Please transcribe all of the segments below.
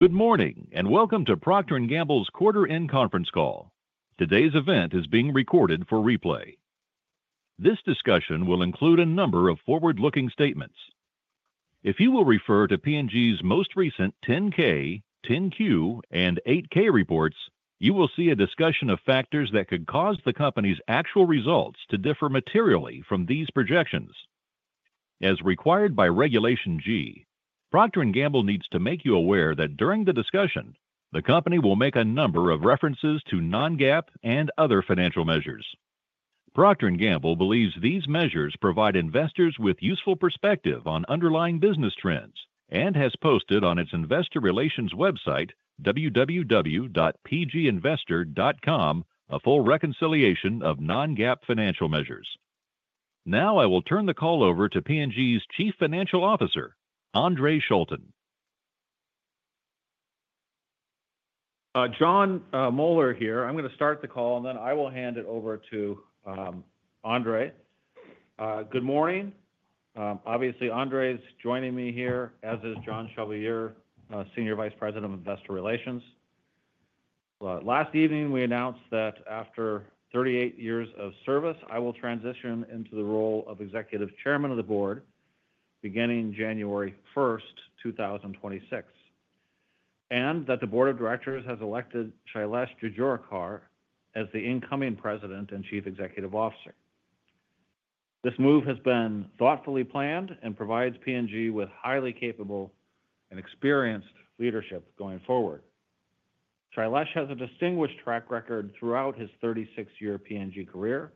Good morning and welcome to Procter & Gamble's quarter-end conference call. Today's event is being recorded for replay. This discussion will include a number of forward-looking statements. If you will refer to P&G's most recent 10-K, 10-Q, and 8-K reports, you will see a discussion of factors that could cause the company's actual results to differ materially from these projections. As required by Regulation G, Procter & Gamble needs to make you aware that during the discussion, the company will make a number of references to non-GAAP and other financial measures. Procter & Gamble believes these measures provide investors with useful perspective on underlying business trends and has posted on its investor relations website, www.pginvestor.com, a full reconciliation of non-GAAP financial measures. Now I will turn the call over to P&G's Chief Financial Officer, Andre Schulten. John Moeller here. I'm going to start the call and then I will hand it over to Andre. Good morning. Obviously, Andre is joining me here, as is John Chevalier, Senior Vice President of Investor Relations. Last evening, we announced that after 38 years of service, I will transition into the role of Executive Chairman of the Board beginning January 1st, 2026, and that the Board of Directors has elected Shailesh Jejurikar as the incoming President and Chief Executive Officer. This move has been thoughtfully planned and provides P&G with highly capable and experienced leadership going forward. Shailesh has a distinguished track record throughout his 36-year P&G career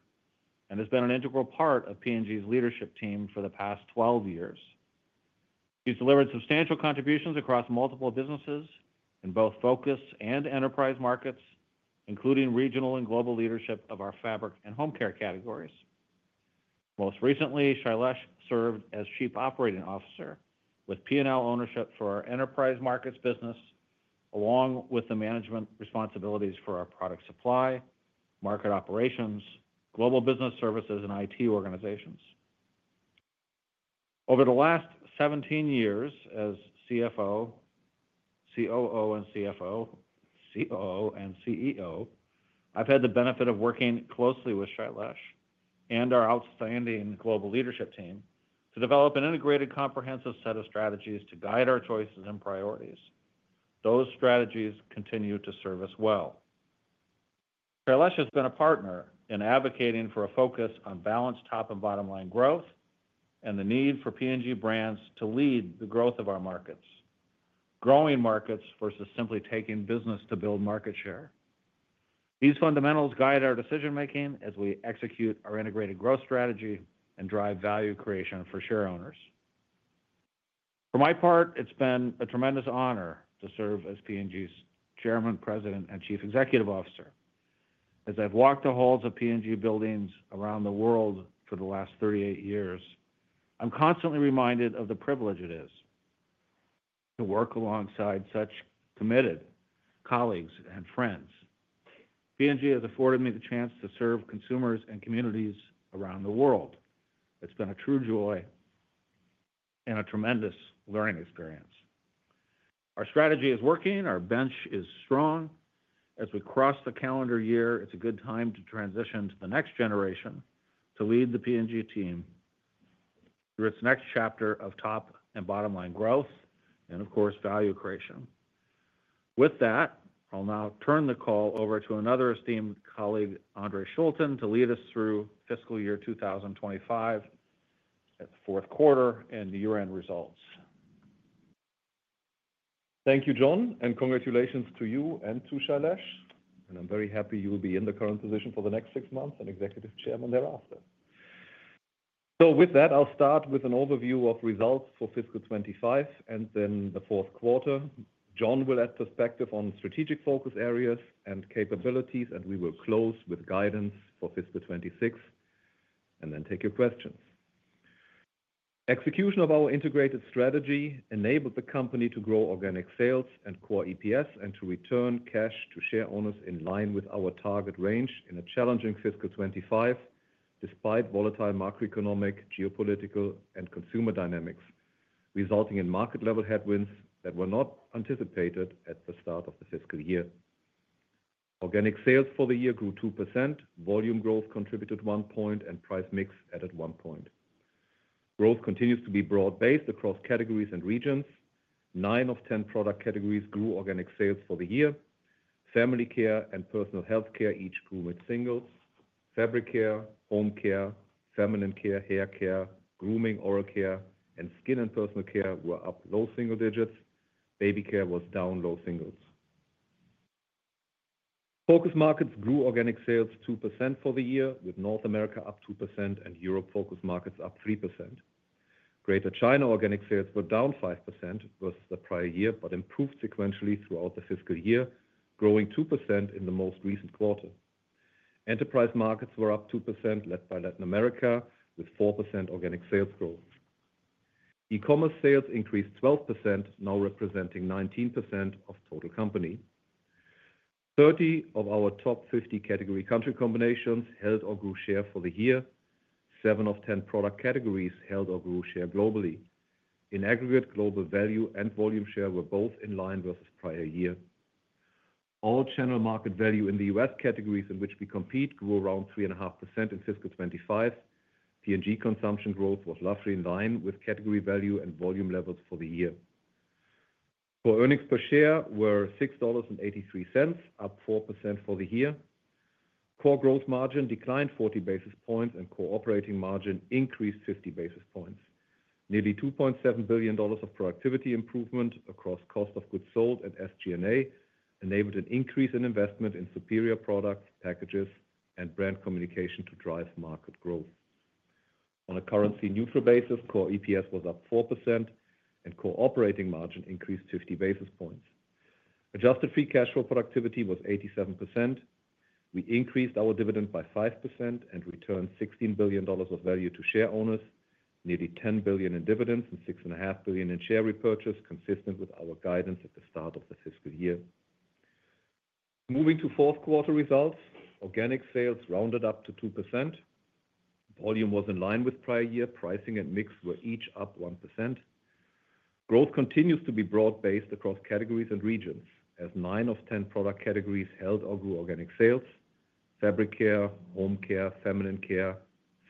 and has been an integral part of P&G's leadership team for the past 12 years. He's delivered substantial contributions across multiple businesses in both focus and enterprise markets, including regional and global leadership of our fabric and home care categories. Most recently, Shailesh served as Chief Operating Officer with P&L ownership for our enterprise markets business, along with the management responsibilities for our product supply, market operations, global business services, and IT organizations. Over the last 17 years as CFO, COO, and CFO, COO, and CEO, I've had the benefit of working closely with Shailesh and our outstanding global leadership team to develop an integrated, comprehensive set of strategies to guide our choices and priorities. Those strategies continue to service well. Shailesh has been a partner in advocating for a focus on balanced top and bottom line growth and the need for P&G brands to lead the growth of our markets, growing markets versus simply taking business to build market share. These fundamentals guide our decision-making as we execute our integrated growth strategy and drive value creation for share owners. For my part, it's been a tremendous honor to serve as P&G's Chairman, President, and Chief Executive Officer. As I've walked the halls of P&G buildings around the world for the last 38 years, I'm constantly reminded of the privilege it is to work alongside such committed colleagues and friends. P&G has afforded me the chance to serve consumers and communities around the world. It's been a true joy and a tremendous learning experience. Our strategy is working. Our bench is strong. As we cross the calendar year, it's a good time to transition to the next generation to lead the P&G team through its next chapter of top and bottom line growth and, of course, value creation. With that, I'll now turn the call over to another esteemed colleague, Andre Schulten, to lead us through fiscal year 2025, the fourth quarter, and the year-end results. Thank you, John, and congratulations to you and to Shailesh. I am very happy you will be in the current position for the next six months and Executive Chairman thereafter. With that, I will start with an overview of results for fiscal 2025 and then the fourth quarter. John will add perspective on strategic focus areas and capabilities, and we will close with guidance for fiscal 2026 and then take your questions. Execution of our integrated strategy enabled the company to grow organic sales and core EPS and to return cash to share owners in line with our target range in a challenging fiscal 2025, despite volatile macroeconomic, geopolitical, and consumer dynamics, resulting in market-level headwinds that were not anticipated at the start of the fiscal year. Organic sales for the year grew 2%. Volume growth contributed 1 point and price mix added 1 point. Growth continues to be broad-based across categories and regions. Nine of ten product categories grew organic sales for the year. Family care and personal healthcare each grew mid-singles. Fabric care, home care, feminine care, hair care, grooming, oral care, and skin and personal care were up low single digits. Baby care was down low singles. Focus markets grew organic sales 2% for the year, with North America up 2% and Europe focus markets up 3%. Greater China organic sales were down 5% versus the prior year, but improved sequentially throughout the fiscal year, growing 2% in the most recent quarter. Enterprise markets were up 2%, led by Latin America, with 4% organic sales growth. E-commerce sales increased 12%, now representing 19% of total company. Thirty of our top 50 category country combinations held or grew share for the year. Seven of ten product categories held or grew share globally. In aggregate, global value and volume share were both in line versus prior year. All channel market value in the U.S. categories in which we compete grew around 3.5% in fiscal 2025. P&G consumption growth was roughly in line with category value and volume levels for the year. For earnings per share, we're $6.83, up 4% for the year. Core gross margin declined 40 basis points and core operating margin increased 50 basis points. Nearly $2.7 billion of productivity improvement across cost of goods sold and SG&A enabled an increase in investment in superior products, packages, and brand communication to drive market growth. On a currency-neutral basis, core EPS was up 4% and core operating margin increased 50 basis points. Adjusted free cash flow productivity was 87%. We increased our dividend by 5% and returned $16 billion of value to share owners, nearly $10 billion in dividends and $6.5 billion in share repurchase, consistent with our guidance at the start of the fiscal year. Moving to fourth quarter results, organic sales rounded up to 2%. Volume was in line with prior year. Pricing and mix were each up 1%. Growth continues to be broad-based across categories and regions, as nine of ten product categories held or grew organic sales. Fabric care, home care, feminine care,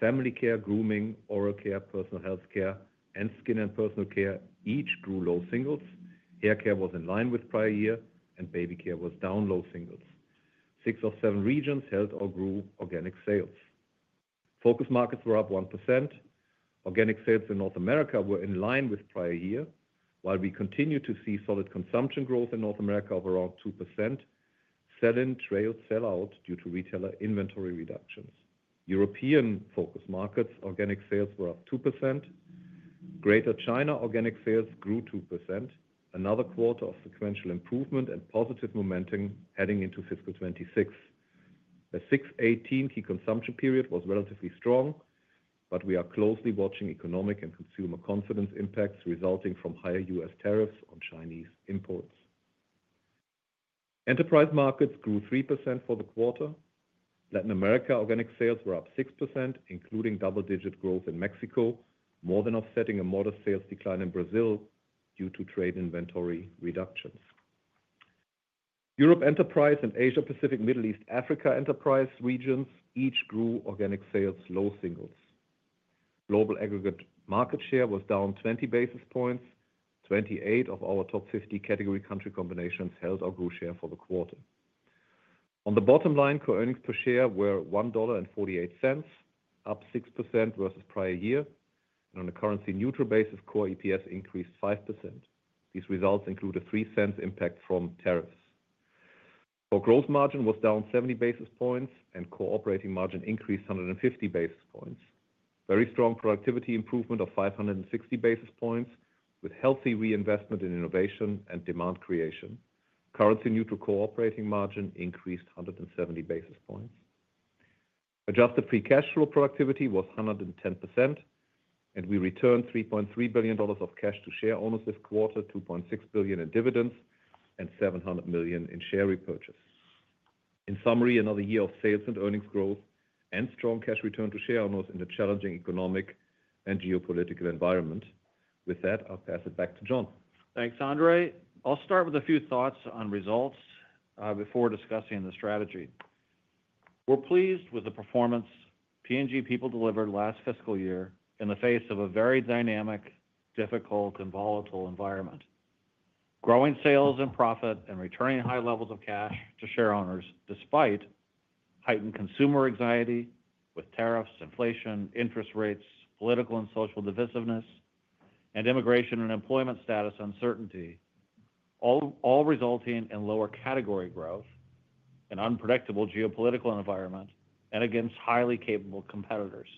family care, grooming, oral care, personal healthcare, and skin and personal care each grew low singles. Hair care was in line with prior year and baby care was down low singles. Six of seven regions held or grew organic sales. Focus markets were up 1%. Organic sales in North America were in line with prior year, while we continue to see solid consumption growth in North America of around 2%, sell-in trailed sell-out due to retailer inventory reductions. European focus markets organic sales were up 2%. Greater China organic sales grew 2%. Another quarter of sequential improvement and positive momentum heading into fiscal 2026. The 6/18 key consumption period was relatively strong, but we are closely watching economic and consumer confidence impacts resulting from higher U.S. tariffs on Chinese imports. Enterprise markets grew 3% for the quarter. Latin America organic sales were up 6%, including double-digit growth in Mexico, more than offsetting a modest sales decline in Brazil due to trade inventory reductions. Europe enterprise and Asia-Pacific, Middle East, Africa enterprise regions each grew organic sales low singles. Global aggregate market share was down 20 basis points. Twenty-eight of our top 50 category country combinations held or grew share for the quarter. On the bottom line, core earnings per share were $1.48, up 6% versus prior year. On a currency-neutral basis, core EPS increased 5%. These results include a $0.03 impact from tariffs. Core gross margin was down 70 basis points and core operating margin increased 150 basis points. Very strong productivity improvement of 560 basis points with healthy reinvestment in innovation and demand creation. Currency-neutral core operating margin increased 170 basis points. Adjusted free cash flow productivity was 110%, and we returned $3.3 billion of cash to share owners this quarter, $2.6 billion in dividends and $700 million in share repurchase. In summary, another year of sales and earnings growth and strong cash return to share owners in a challenging economic and geopolitical environment. With that, I'll pass it back to John. Thanks, Andre. I'll start with a few thoughts on results before discussing the strategy. We're pleased with the performance P&G people delivered last fiscal year in the face of a very dynamic, difficult, and volatile environment. Growing sales and profit and returning high levels of cash to share owners despite heightened consumer anxiety with tariffs, inflation, interest rates, political and social divisiveness, and immigration and employment status uncertainty, all resulting in lower category growth, an unpredictable geopolitical environment, and against highly capable competitors.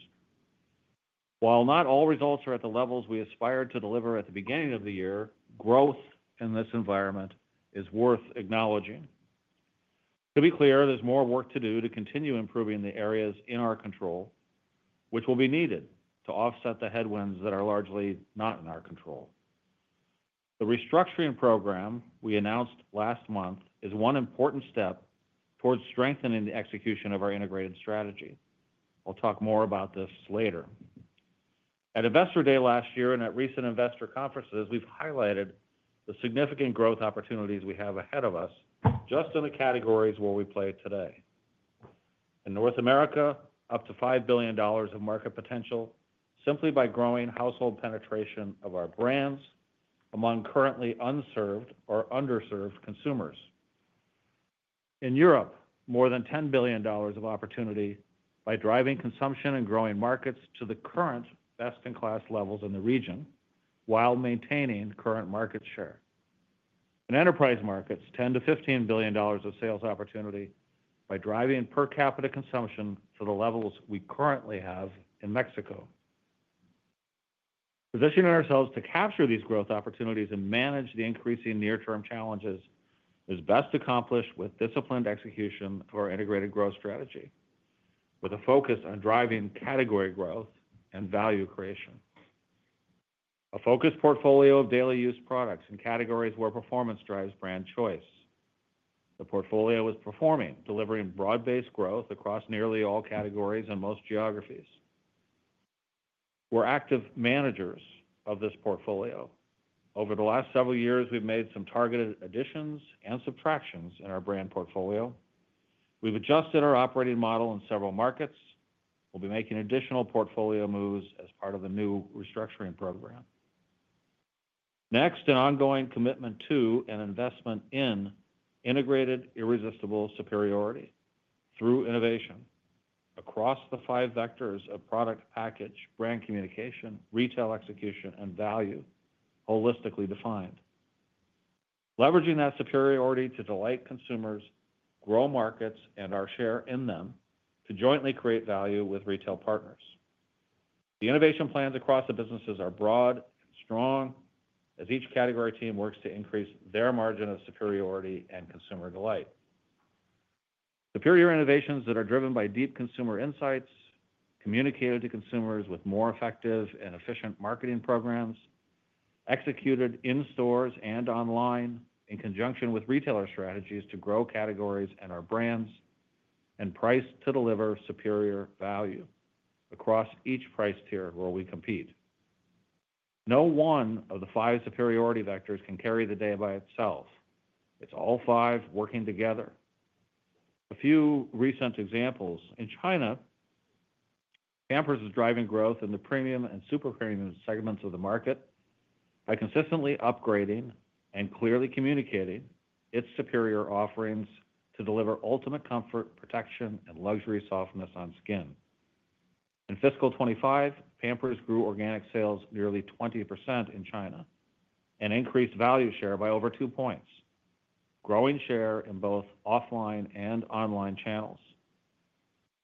While not all results are at the levels we aspired to deliver at the beginning of the year, growth in this environment is worth acknowledging. To be clear, there's more work to do to continue improving the areas in our control, which will be needed to offset the headwinds that are largely not in our control. The restructuring program we announced last month is one important step towards strengthening the execution of our integrated strategy. I'll talk more about this later. At Investor Day last year and at recent investor conferences, we've highlighted the significant growth opportunities we have ahead of us just in the categories where we play today. In North America, up to $5 billion of market potential simply by growing household penetration of our brands among currently unserved or underserved consumers. In Europe, more than $10 billion of opportunity by driving consumption and growing markets to the current best-in-class levels in the region while maintaining current market share. In enterprise markets, $10 billion-$15 billion of sales opportunity by driving per capita consumption to the levels we currently have in Mexico. Positioning ourselves to capture these growth opportunities and manage the increasing near-term challenges is best accomplished with disciplined execution of our integrated growth strategy, with a focus on driving category growth and value creation. A focused portfolio of daily-use products in categories where performance drives brand choice. The portfolio is performing, delivering broad-based growth across nearly all categories and most geographies. We're active managers of this portfolio. Over the last several years, we've made some targeted additions and subtractions in our brand portfolio. We've adjusted our operating model in several markets. We'll be making additional portfolio moves as part of the new restructuring program. Next, an ongoing commitment to and investment in integrated irresistible superiority through innovation across the five vectors of product, package, brand communication, retail execution, and value holistically defined. Leveraging that superiority to delight consumers, grow markets, and our share in them to jointly create value with retail partners. The innovation plans across the businesses are broad and strong as each category team works to increase their margin of superiority and consumer delight. Superior innovations that are driven by deep consumer insights, communicated to consumers with more effective and efficient marketing programs, executed in stores and online in conjunction with retailer strategies to grow categories and our brands, and price to deliver superior value across each price tier where we compete. No one of the five superiority vectors can carry the day by itself. It's all five working together. A few recent examples. In China, Pampers is driving growth in the premium and super premium segments of the market by consistently upgrading and clearly communicating its superior offerings to deliver ultimate comfort, protection, and luxury softness on skin. In fiscal 25, Pampers grew organic sales nearly 20% in China and increased value share by over two points, growing share in both offline and online channels.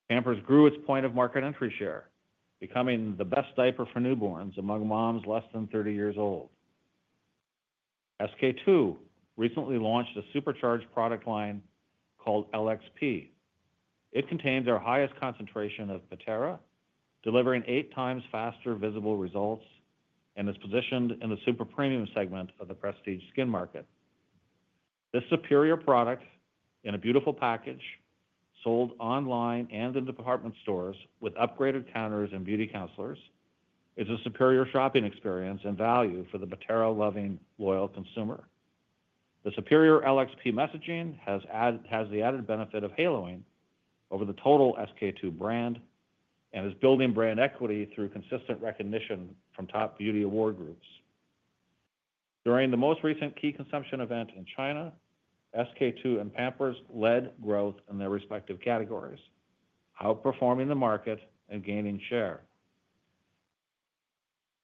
Pampers grew its point of market entry share, becoming the best diaper for newborns among moms less than 30 years old. SK-II recently launched a supercharged product line called LXP. It contains our highest concentration of Pitera, delivering eight times faster visible results and is positioned in the super premium segment of the prestige skin market. This superior product in a beautiful package, sold online and in department stores with upgraded counters and beauty counselors, is a superior shopping experience and value for the Pitera-loving, loyal consumer. The superior LXP messaging has the added benefit of haloing over the total SK-II brand and is building brand equity through consistent recognition from top beauty award groups. During the most recent key consumption event in China, SK2 and Pampers led growth in their respective categories, outperforming the market and gaining share.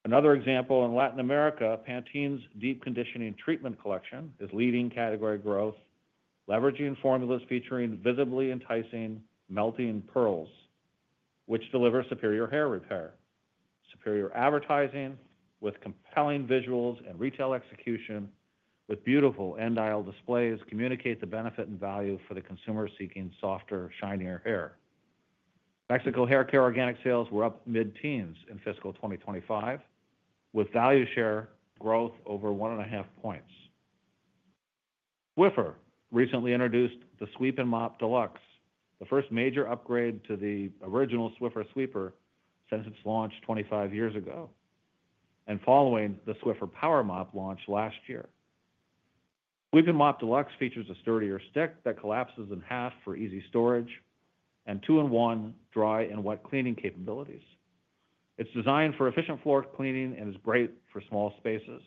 Another example in Latin America, Pantene's deep conditioning treatment collection is leading category growth, leveraging formulas featuring visibly enticing melting pearls, which deliver superior hair repair. Superior advertising with compelling visuals and retail execution with beautiful end-aisle displays communicate the benefit and value for the consumer seeking softer, shinier hair. Mexico haircare organic sales were up mid-teens in fiscal 2025, with value share growth over one and a half points. Swiffer recently introduced the Sweep and Mop Deluxe, the first major upgrade to the original Swiffer sweeper since its launch 25 years ago, and following the Swiffer Power Mop launch last year. Sweep and Mop Deluxe features a sturdier stick that collapses in half for easy storage and two-in-one dry and wet cleaning capabilities. It's designed for efficient floor cleaning and is great for small spaces.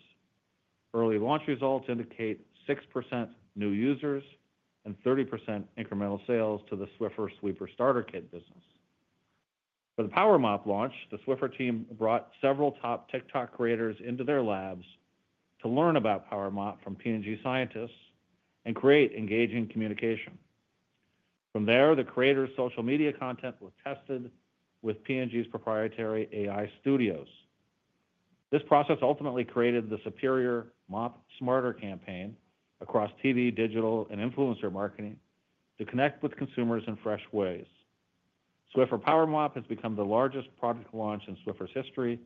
Early launch results indicate 6% new users and 30% incremental sales to the Swiffer sweeper starter kit business. For the Power Mop launch, the Swiffer team brought several top TikTok creators into their labs to learn about Power Mop from P&G scientists and create engaging communication. From there, the creators' social media content was tested with P&G's proprietary AI studios. This process ultimately created the superior Mop Smarter campaign across TV, digital, and influencer marketing to connect with consumers in fresh ways. Swiffer Power Mop has become the largest product launch in Swiffer's history,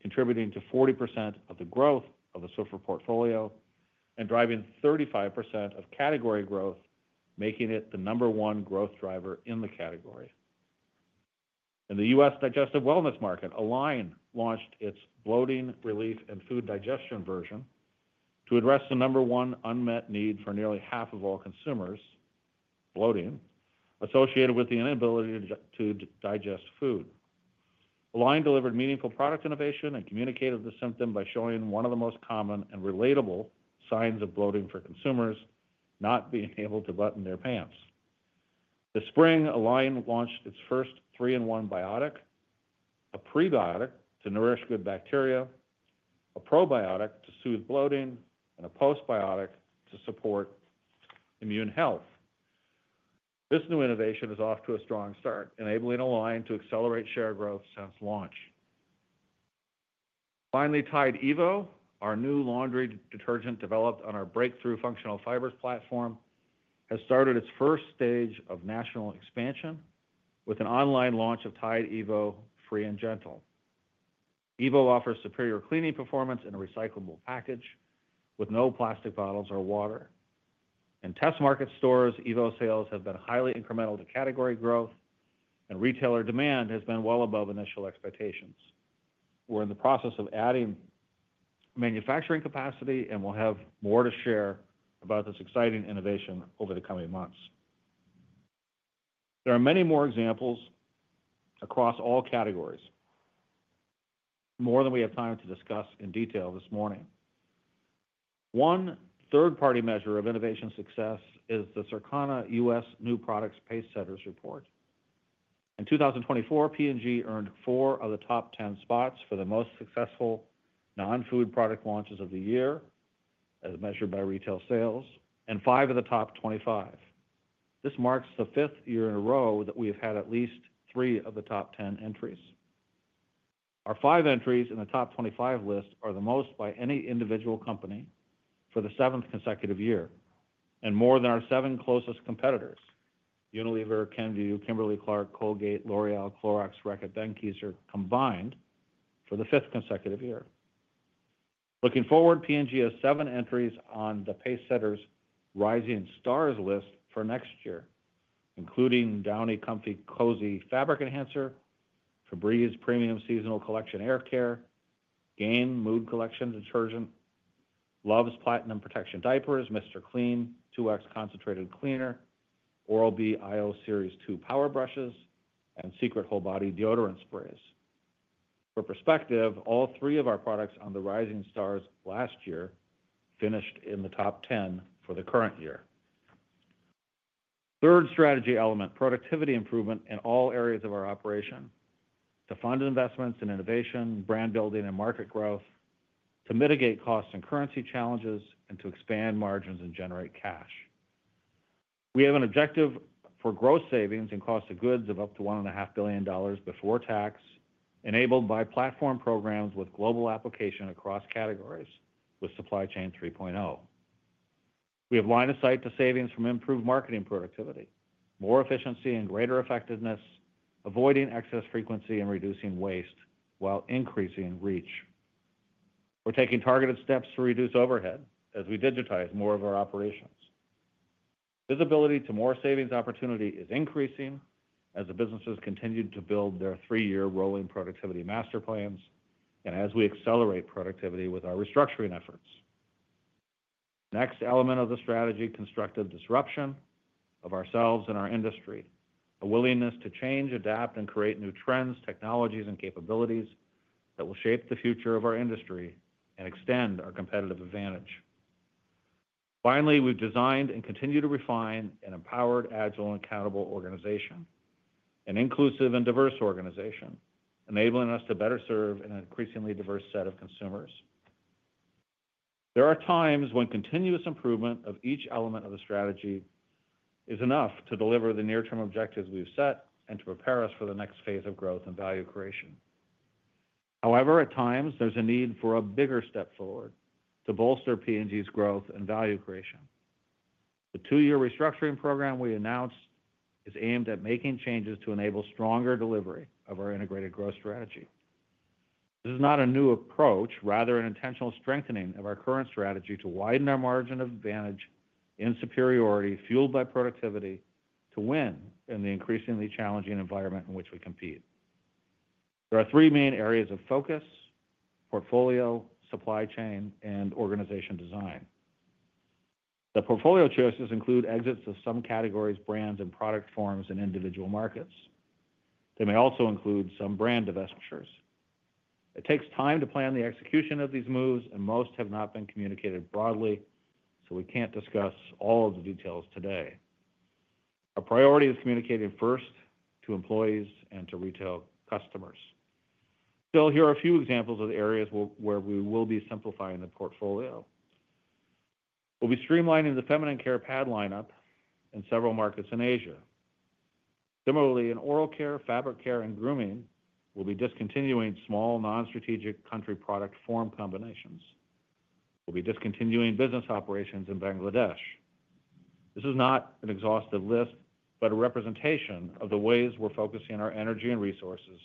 contributing to 40% of the growth of the Swiffer portfolio and driving 35% of category growth, making it the number one growth driver in the category. In the US digestive wellness market, Align launched its bloating relief and food digestion version to address the number one unmet need for nearly half of all consumers, bloating, associated with the inability to digest food. Align delivered meaningful product innovation and communicated the symptom by showing one of the most common and relatable signs of bloating for consumers not being able to button their pants. This spring, Align launched its first three-in-one biotic, a prebiotic to nourish good bacteria, a probiotic to soothe bloating, and a postbiotic to support immune health. This new innovation is off to a strong start, enabling Align to accelerate share growth since launch. Finally, Tide Evo, our new laundry detergent developed on our breakthrough functional fibers platform, has started its first stage of national expansion with an online launch of Tide Evo Free and Gentle. Evo offers superior cleaning performance in a recyclable package with no plastic bottles or water. In test market stores, Evo sales have been highly incremental to category growth, and retailer demand has been well above initial expectations. We're in the process of adding manufacturing capacity, and we'll have more to share about this exciting innovation over the coming months. There are many more examples across all categories, more than we have time to discuss in detail this morning. One third-party measure of innovation success is the Circana U.S. new products pace setters report. In 2024, P&G earned four of the top 10 spots for the most successful non-food product launches of the year, as measured by retail sales, and five of the top 25. This marks the fifth year in a row that we have had at least three of the top 10 entries. Our five entries in the top 25 list are the most by any individual company for the seventh consecutive year, and more than our seven closest competitors: Unilever, Kenvue, Kimberly-Clark, Colgate, L'Oreal, Clorox, Reckitt Benckiser, combined for the fifth consecutive year. Looking forward, P&G has seven entries on the pace setters rising stars list for next year, including Downey Comfy Cozy Fabric Enhancer, Febreze Premium Seasonal Collection Hair Care, Gain Mood Collection Detergent, Luvs Platinum Protection Diapers, Mr. Clean 2X Concentrated Cleaner, Oral-B IO Series 2 Power Brushes, and Secret Whole Body Deodorant Sprays. For perspective, all three of our products on the rising stars last year finished in the top 10 for the current year. Third strategy element, productivity improvement in all areas of our operation, to fund investments in innovation, brand building, and market growth, to mitigate cost and currency challenges, and to expand margins and generate cash. We have an objective for gross savings in cost of goods of up to $1.5 billion before tax, enabled by platform programs with global application across categories with Supply Chain 3.0. We have lined a site to savings from improved marketing productivity, more efficiency, and greater effectiveness, avoiding excess frequency and reducing waste while increasing reach. We're taking targeted steps to reduce overhead as we digitize more of our operations. Visibility to more savings opportunity is increasing as the businesses continue to build their three-year rolling productivity master plans and as we accelerate productivity with our restructuring efforts. Next element of the strategy, constructive disruption of ourselves and our industry, a willingness to change, adapt, and create new trends, technologies, and capabilities that will shape the future of our industry and extend our competitive advantage. Finally, we've designed and continue to refine an empowered, agile, and accountable organization, an inclusive and diverse organization, enabling us to better serve an increasingly diverse set of consumers. There are times when continuous improvement of each element of the strategy is enough to deliver the near-term objectives we've set and to prepare us for the next phase of growth and value creation. However, at times, there's a need for a bigger step forward to bolster P&G's growth and value creation. The two-year restructuring program we announced is aimed at making changes to enable stronger delivery of our integrated growth strategy. This is not a new approach, rather an intentional strengthening of our current strategy to widen our margin of advantage in superiority fueled by productivity to win in the increasingly challenging environment in which we compete. There are three main areas of focus: portfolio, supply chain, and organization design. The portfolio choices include exits of some categories, brands, and product forms in individual markets. They may also include some brand divestitures. It takes time to plan the execution of these moves, and most have not been communicated broadly, so we can't discuss all of the details today. Our priority is communicated first to employees and to retail customers. Still, here are a few examples of the areas where we will be simplifying the portfolio. We'll be streamlining the feminine care pad lineup in several markets in Asia. Similarly, in oral care, fabric care, and grooming, we'll be discontinuing small non-strategic country product form combinations. We'll be discontinuing business operations in Bangladesh. This is not an exhaustive list, but a representation of the ways we're focusing our energy and resources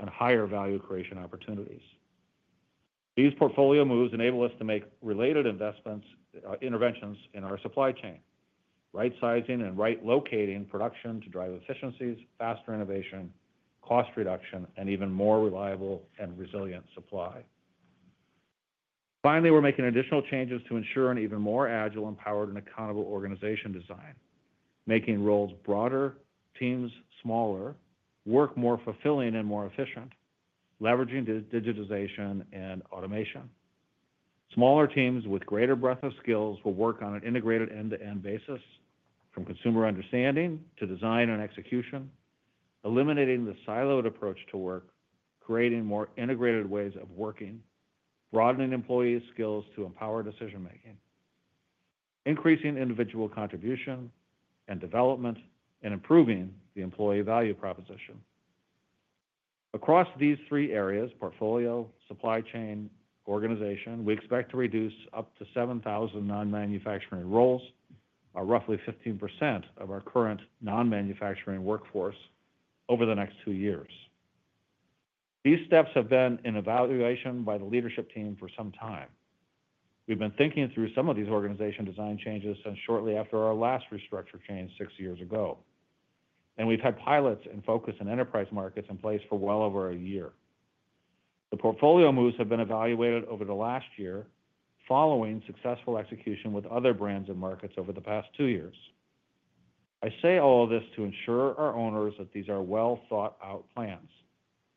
on higher value creation opportunities. These portfolio moves enable us to make related interventions in our supply chain, right-sizing and right-locating production to drive efficiencies, faster innovation, cost reduction, and even more reliable and resilient supply. Finally, we're making additional changes to ensure an even more agile, empowered, and accountable organization design, making roles broader, teams smaller, work more fulfilling and more efficient, leveraging digitization and automation. Smaller teams with greater breadth of skills will work on an integrated end-to-end basis, from consumer understanding to design and execution, eliminating the siloed approach to work, creating more integrated ways of working, broadening employee skills to empower decision-making, increasing individual contribution and development, and improving the employee value proposition. Across these three areas, portfolio, supply chain, organization, we expect to reduce up to 7,000 non-manufacturing roles, roughly 15% of our current non-manufacturing workforce, over the next two years. These steps have been in evaluation by the leadership team for some time. We've been thinking through some of these organization design changes since shortly after our last restructure change six years ago, and we've had pilots and focus on enterprise markets in place for well over a year. The portfolio moves have been evaluated over the last year, following successful execution with other brands and markets over the past two years. I say all of this to ensure our owners that these are well-thought-out plans,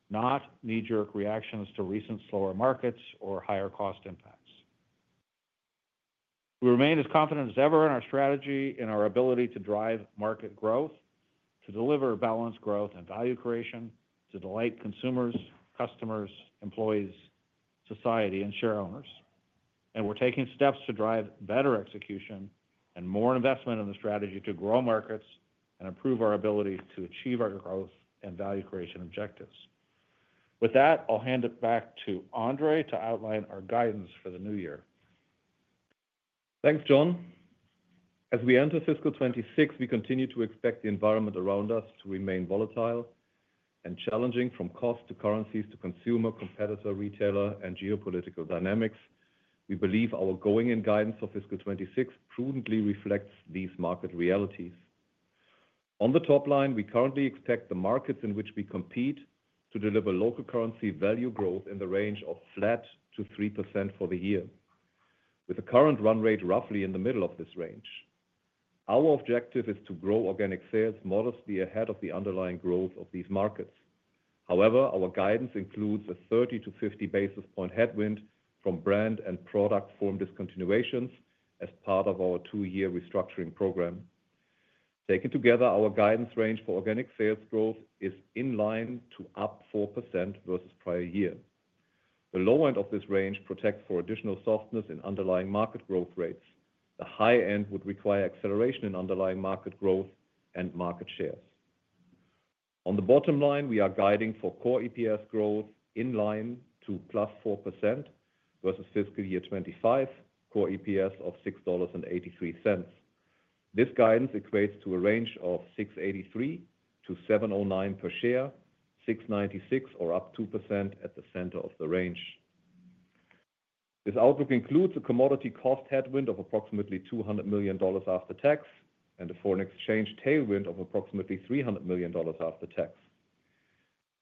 not knee-jerk reactions to recent slower markets or higher cost impacts. We remain as confident as ever in our strategy, in our ability to drive market growth, to deliver balanced growth and value creation, to delight consumers, customers, employees, society, and share owners. And we're taking steps to drive better execution and more investment in the strategy to grow markets and improve our ability to achieve our growth and value creation objectives. With that, I'll hand it back to Andre to outline our guidance for the new year. Thanks, John. As we enter fiscal 26, we continue to expect the environment around us to remain volatile and challenging, from cost to currencies to consumer, competitor, retailer, and geopolitical dynamics. We believe our going-in guidance for fiscal 26 prudently reflects these market realities. On the top line, we currently expect the markets in which we compete to deliver local currency value growth in the range of flat to 3% for the year, with the current run rate roughly in the middle of this range. Our objective is to grow organic sales modestly ahead of the underlying growth of these markets. However, our guidance includes a 30-50 basis point headwind from brand and product form discontinuations as part of our two-year restructuring program. Taken together, our guidance range for organic sales growth is in line to up 4% versus prior year. The low end of this range protects for additional softness in underlying market growth rates. The high end would require acceleration in underlying market growth and market shares. On the bottom line, we are guiding for core EPS growth in line to plus 4% versus fiscal year 25, core EPS of $6.83. This guidance equates to a range of $6.83-$7.09 per share, $6.96 or up 2% at the center of the range. This outlook includes a commodity cost headwind of approximately $200 million after tax and a foreign exchange tailwind of approximately $300 million after tax.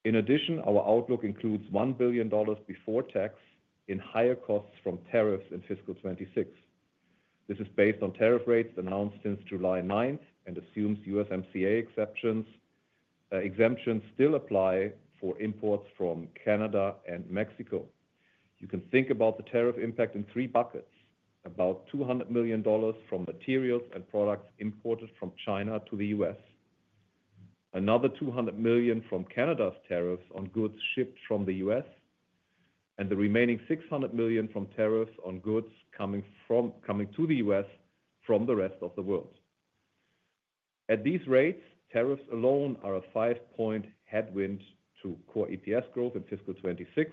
In addition, our outlook includes $1 billion before tax in higher costs from tariffs in fiscal 26. This is based on tariff rates announced since July 9th and assumes USMCA exemptions still apply for imports from Canada and Mexico. You can think about the tariff impact in three buckets: about $200 million from materials and products imported from China to the US, another $200 million from Canada's tariffs on goods shipped from the US, and the remaining $600 million from tariffs on goods coming to the US from the rest of the world. At these rates, tariffs alone are a five-point headwind to core EPS growth in fiscal 26.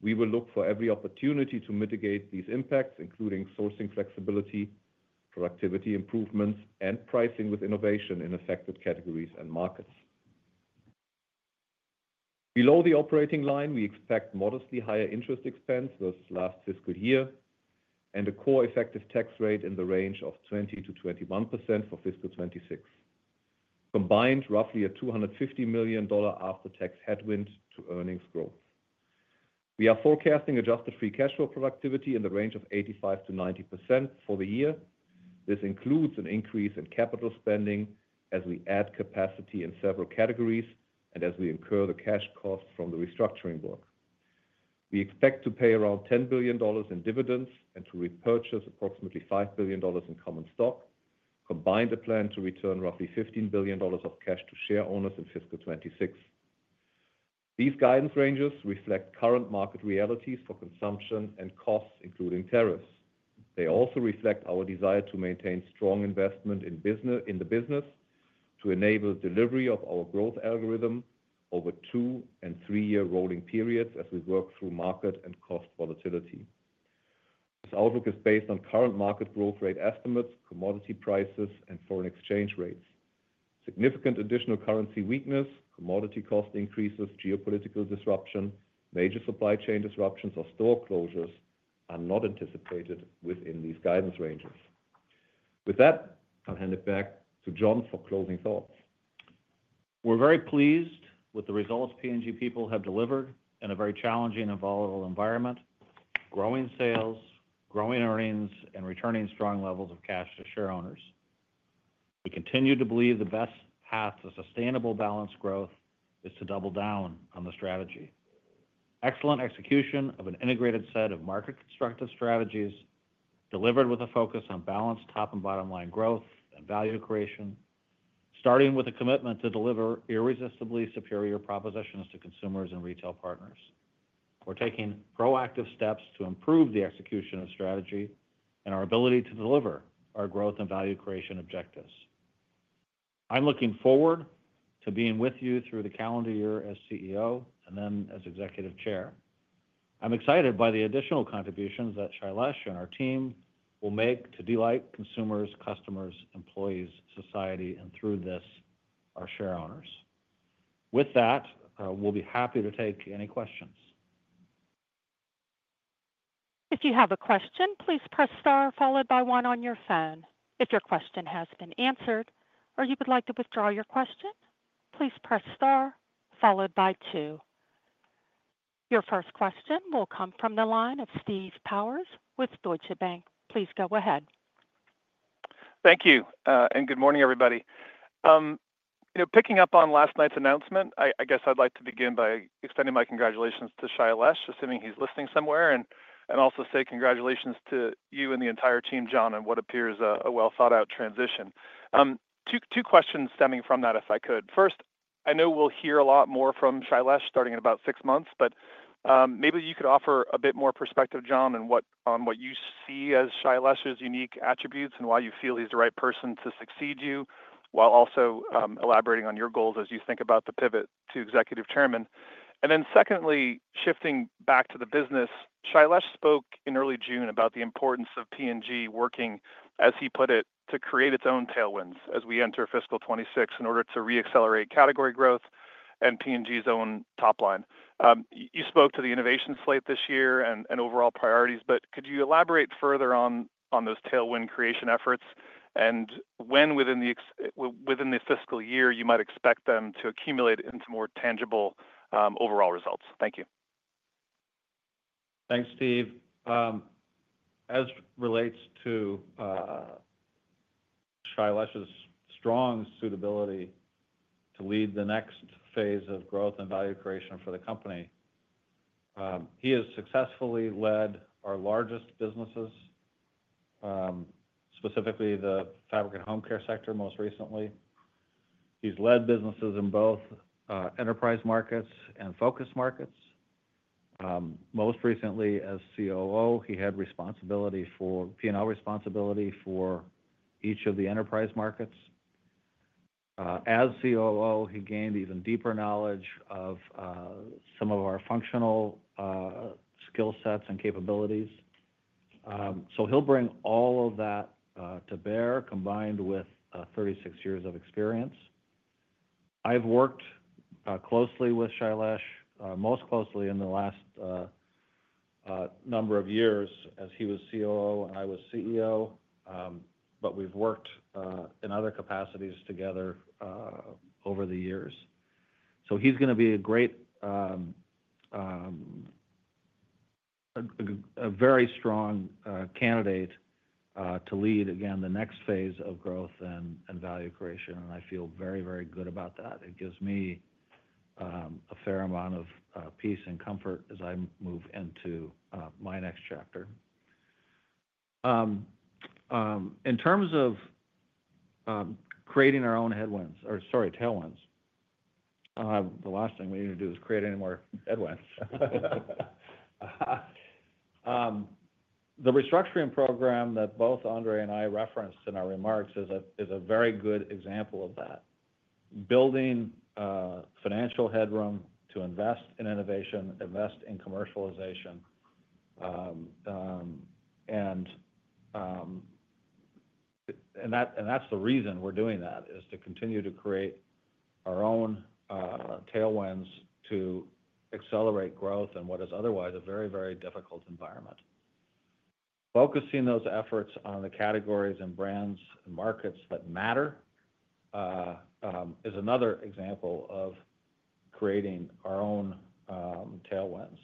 We will look for every opportunity to mitigate these impacts, including sourcing flexibility, productivity improvements, and pricing with innovation in affected categories and markets. Below the operating line, we expect modestly higher interest expense versus last fiscal year and a core effective tax rate in the range of 20 to 21% for fiscal 26, combined roughly a $250 million after-tax headwind to earnings growth. We are forecasting adjusted free cash flow productivity in the range of 85 to 90% for the year. This includes an increase in capital spending as we add capacity in several categories and as we incur the cash costs from the restructuring work. We expect to pay around $10 billion in dividends and to repurchase approximately $5 billion in common stock, combined a plan to return roughly $15 billion of cash to share owners in fiscal 26. These guidance ranges reflect current market realities for consumption and costs, including tariffs. They also reflect our desire to maintain strong investment in the business to enable delivery of our growth algorithm over two and three-year rolling periods as we work through market and cost volatility. This outlook is based on current market growth rate estimates, commodity prices, and foreign exchange rates. Significant additional currency weakness, commodity cost increases, geopolitical disruption, major supply chain disruptions, or store closures are not anticipated within these guidance ranges. With that, I'll hand it back to John for closing thoughts. We're very pleased with the results P&G people have delivered in a very challenging and volatile environment, growing sales, growing earnings, and returning strong levels of cash to share owners. We continue to believe the best path to sustainable balanced growth is to double down on the strategy. Excellent execution of an integrated set of market constructive strategies delivered with a focus on balanced top and bottom line growth and value creation, starting with a commitment to deliver irresistibly superior propositions to consumers and retail partners. We're taking proactive steps to improve the execution of strategy and our ability to deliver our growth and value creation objectives. I'm looking forward to being with you through the calendar year as CEO and then as executive chair. I'm excited by the additional contributions that Shailesh and our team will make to delight consumers, customers, employees, society, and through this, our share owners. With that, we'll be happy to take any questions. If you have a question, please press star followed by one on your phone. If your question has been answered or you would like to withdraw your question, please press star followed by two. Your first question will come from the line of Steve Powers with Deutsche Bank. Please go ahead. Thank you. And good morning, everybody. Picking up on last night's announcement, I guess I'd like to begin by extending my congratulations to Shailesh, assuming he's listening somewhere, and also say congratulations to you and the entire team, John, on what appears a well-thought-out transition. Two questions stemming from that, if I could. First, I know we'll hear a lot more from Shailesh starting in about six months, but maybe you could offer a bit more perspective, John, on what you see as Shailesh's unique attributes and why you feel he's the right person to succeed you, while also elaborating on your goals as you think about the pivot to executive chairman. And then secondly, shifting back to the business, Shailesh spoke in early June about the importance of P&G working, as he put it, to create its own tailwinds as we enter fiscal 26 in order to re-accelerate category growth and P&G's own top line. You spoke to the innovation slate this year and overall priorities, but could you elaborate further on those tailwind creation efforts and when within the fiscal year you might expect them to accumulate into more tangible overall results? Thank you. Thanks, Steve. As it relates to Shailesh's strong suitability to lead the next phase of growth and value creation for the company, he has successfully led our largest businesses, specifically the fabric and home care sector most recently. He's led businesses in both enterprise markets and focus markets. Most recently, as COO, he had responsibility for P&L responsibility for each of the enterprise markets. As COO, he gained even deeper knowledge of some of our functional skill sets and capabilities. So he'll bring all of that to bear combined with 36 years of experience. I've worked closely with Shailesh, most closely in the last number of years as he was COO and I was CEO, but we've worked in other capacities together over the years. So he's going to be a great, a very strong candidate to lead again the next phase of growth and value creation, and I feel very, very good about that. It gives me a fair amount of peace and comfort as I move into my next chapter. In terms of creating our own headwinds or, sorry, tailwinds, the last thing we need to do is create any more headwinds. The restructuring program that both Andre and I referenced in our remarks is a very good example of that. Building financial headroom to invest in innovation, invest in commercialization, and that's the reason we're doing that, is to continue to create our own tailwinds to accelerate growth in what is otherwise a very, very difficult environment. Focusing those efforts on the categories and brands and markets that matter is another example of creating our own tailwinds.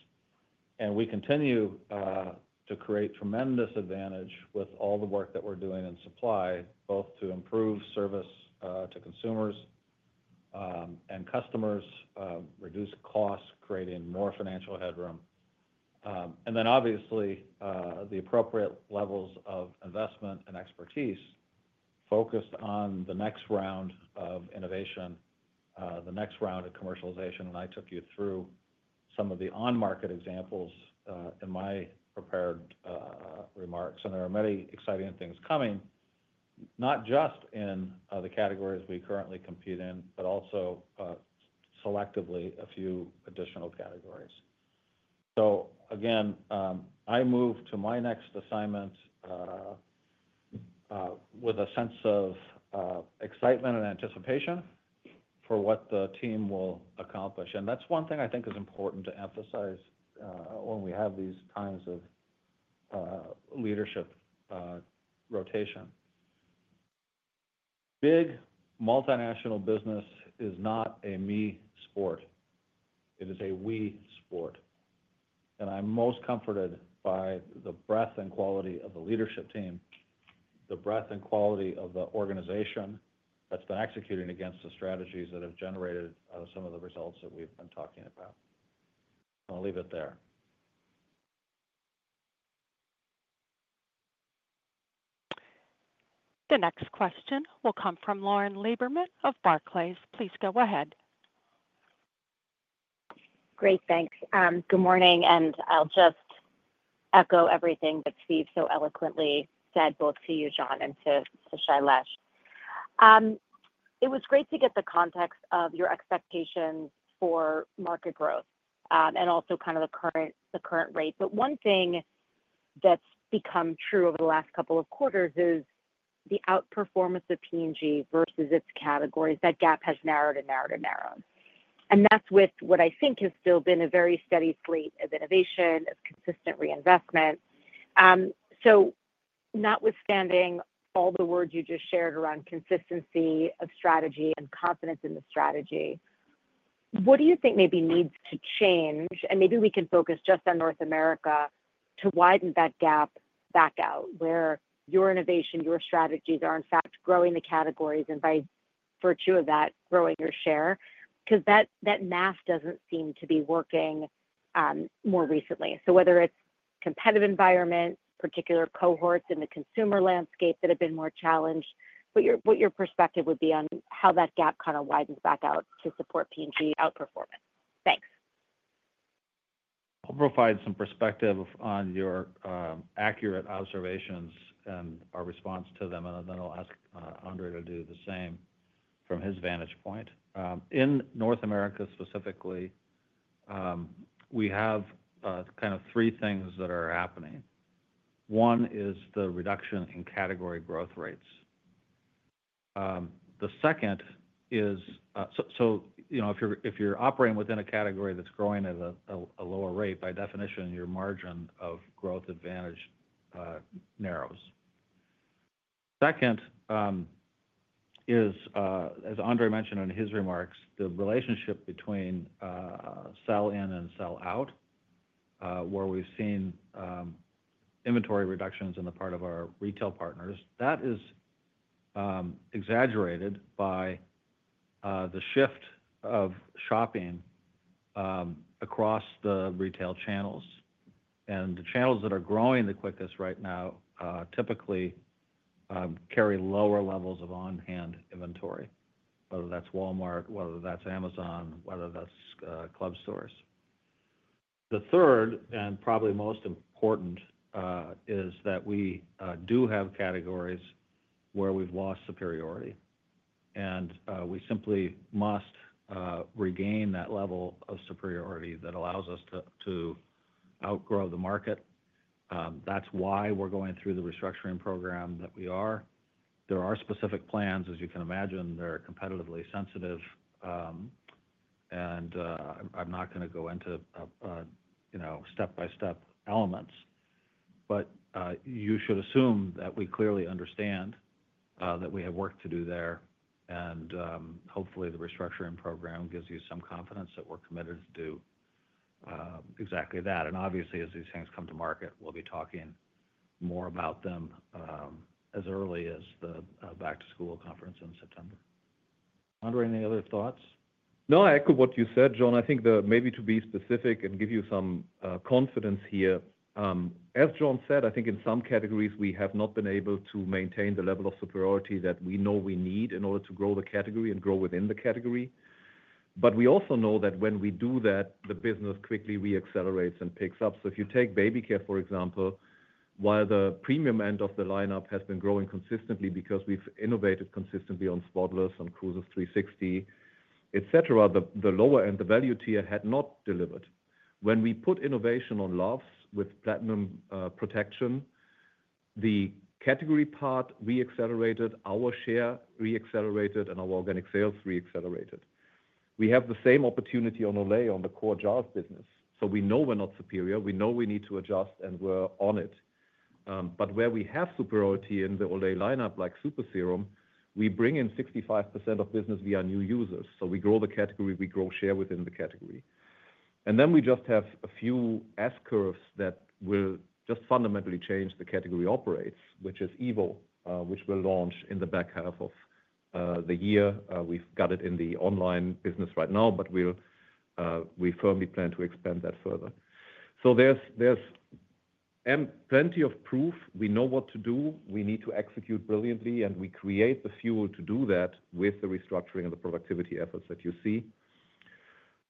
And we continue to create tremendous advantage with all the work that we're doing in supply, both to improve service to consumers and customers, reduce costs, creating more financial headroom. And then, obviously, the appropriate levels of investment and expertise focused on the next round of innovation, the next round of commercialization. And I took you through some of the on-market examples in my prepared remarks. And there are many exciting things coming, not just in the categories we currently compete in, but also selectively a few additional categories. So again, I move to my next assignment with a sense of excitement and anticipation for what the team will accomplish. And that's one thing I think is important to emphasize when we have these kinds of leadership rotation. Big multinational business is not a me sport. It is a we sport. And I'm most comforted by the breadth and quality of the leadership team, the breadth and quality of the organization that's been executing against the strategies that have generated some of the results that we've been talking about. I'll leave it there. The next question will come from Lauren Laberman of Barclays. Please go ahead. Great. Thanks. Good morning. And I'll just echo everything that Steve so eloquently said, both to you, John, and to Shailesh. It was great to get the context of your expectations for market growth and also kind of the current rate. But one thing that's become true over the last couple of quarters is the outperformance of P&G versus its categories. That gap has narrowed and narrowed and narrowed. And that's with what I think has still been a very steady slate of innovation, of consistent reinvestment. So notwithstanding all the words you just shared around consistency of strategy and confidence in the strategy, what do you think maybe needs to change? And maybe we can focus just on North America to widen that gap back out where your innovation, your strategies are in fact growing the categories and by virtue of that, growing your share? Because that math doesn't seem to be working more recently. So whether it's competitive environments, particular cohorts in the consumer landscape that have been more challenged, what your perspective would be on how that gap kind of widens back out to support P&G outperformance? Thanks. I'll provide some perspective on your accurate observations and our response to them, and then I'll ask Andre to do the same from his vantage point. In North America specifically, we have kind of three things that are happening. One is the reduction in category growth rates. The second is, so if you're operating within a category that's growing at a lower rate, by definition, your margin of growth advantage narrows. Second is, as Andre mentioned in his remarks, the relationship between sell-in and sell-out, where we've seen inventory reductions on the part of our retail partners. That is exaggerated by the shift of shopping across the retail channels. And the channels that are growing the quickest right now typically carry lower levels of on-hand inventory, whether that's Walmart, whether that's Amazon, whether that's club stores. The third and probably most important is that we do have categories where we've lost superiority. And we simply must regain that level of superiority that allows us to outgrow the market. That's why we're going through the restructuring program that we are. There are specific plans, as you can imagine. They're competitively sensitive. And I'm not going to go into step-by-step elements. But you should assume that we clearly understand that we have work to do there. And hopefully, the restructuring program gives you some confidence that we're committed to do exactly that. And obviously, as these things come to market, we'll be talking more about them as early as the back-to-school conference in September. Andre, any other thoughts? No, I echo what you said, John. I think that maybe to be specific and give you some confidence here, as John said, I think in some categories, we have not been able to maintain the level of superiority that we know we need in order to grow the category and grow within the category. But we also know that when we do that, the business quickly re-accelerates and picks up. So if you take baby care, for example, while the premium end of the lineup has been growing consistently because we've innovated consistently on spotless, on cruisers 360, etc., the lower end, the value tier had not delivered. When we put innovation on lofts with platinum protection, the category part re-accelerated, our share re-accelerated, and our organic sales re-accelerated. We have the same opportunity on Olay on the core job business. So we know we're not superior. We know we need to adjust, and we're on it. But where we have superiority in the Olay lineup, like Super Serum, we bring in 65% of business via new users. So we grow the category. We grow share within the category. And then we just have a few S Curves that will just fundamentally change the category operates, which is Evo, which we'll launch in the back half of the year. We've got it in the online business right now, but we firmly plan to expand that further. So there's plenty of proof. We know what to do. We need to execute brilliantly, and we create the fuel to do that with the restructuring and the productivity efforts that you see.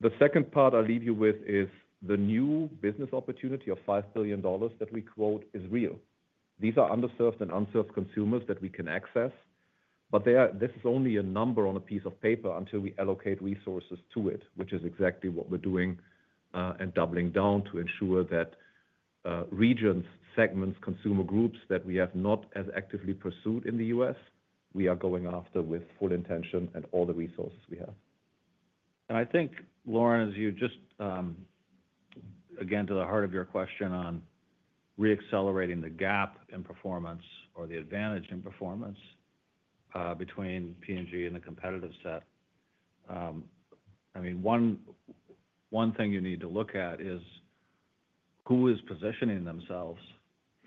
The second part I'll leave you with is the new business opportunity of $5 billion that we quote is real. These are underserved and unserved consumers that we can access, but this is only a number on a piece of paper until we allocate resources to it, which is exactly what we're doing and doubling down to ensure that regions, segments, consumer groups that we have not as actively pursued in the US, we are going after with full intention and all the resources we have. And I think, Lauren, as you just again, to the heart of your question on re-accelerating the gap in performance or the advantage in performance between P&G and the competitive set, I mean, one thing you need to look at is who is positioning themselves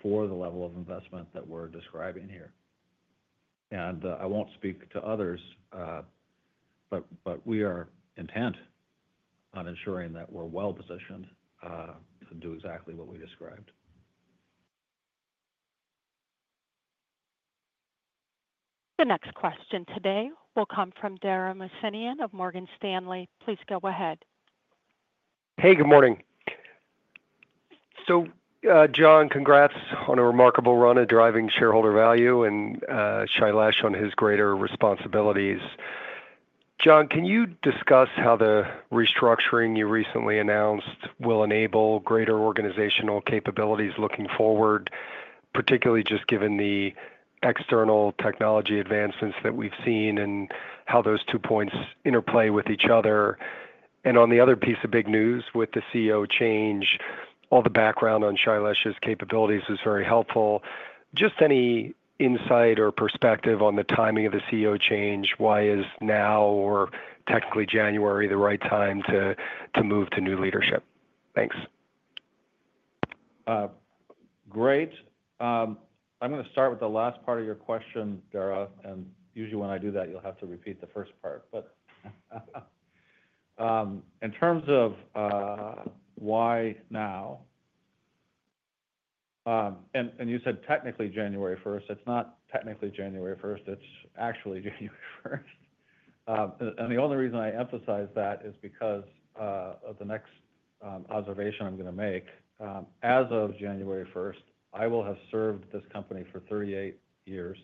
for the level of investment that we're describing here. And I won't speak to others, but we are intent on ensuring that we're well-positioned to do exactly what we described. The next question today will come from Darren Messinian of Morgan Stanley. Please go ahead. Hey, good morning. So, John, congrats on a remarkable run at driving shareholder value and Shailesh on his greater responsibilities. John, can you discuss how the restructuring you recently announced will enable greater organizational capabilities looking forward, particularly just given the external technology advancements that we've seen and how those two points interplay with each other? And on the other piece of big news with the CEO change, all the background on Shailesh's capabilities is very helpful. Just any insight or perspective on the timing of the CEO change? Why is now, or technically January, the right time to move to new leadership? Thanks. Great. I'm going to start with the last part of your question, Dara. And usually when I do that, you'll have to repeat the first part. But in terms of why now, and you said technically January 1st, it's not technically January 1st. It's actually January 1st. And the only reason I emphasize that is because of the next observation I'm going to make. As of January 1st, I will have served this company for 38 years.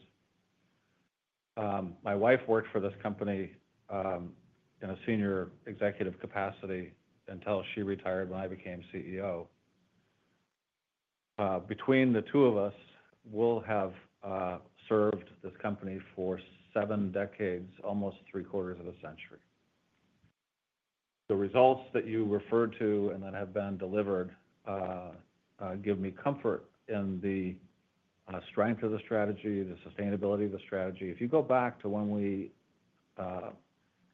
My wife worked for this company in a senior executive capacity until she retired when I became CEO. Between the two of us, we'll have served this company for seven decades, almost three-quarters of a century. The results that you referred to and that have been delivered give me comfort in the strength of the strategy, the sustainability of the strategy. If you go back to when we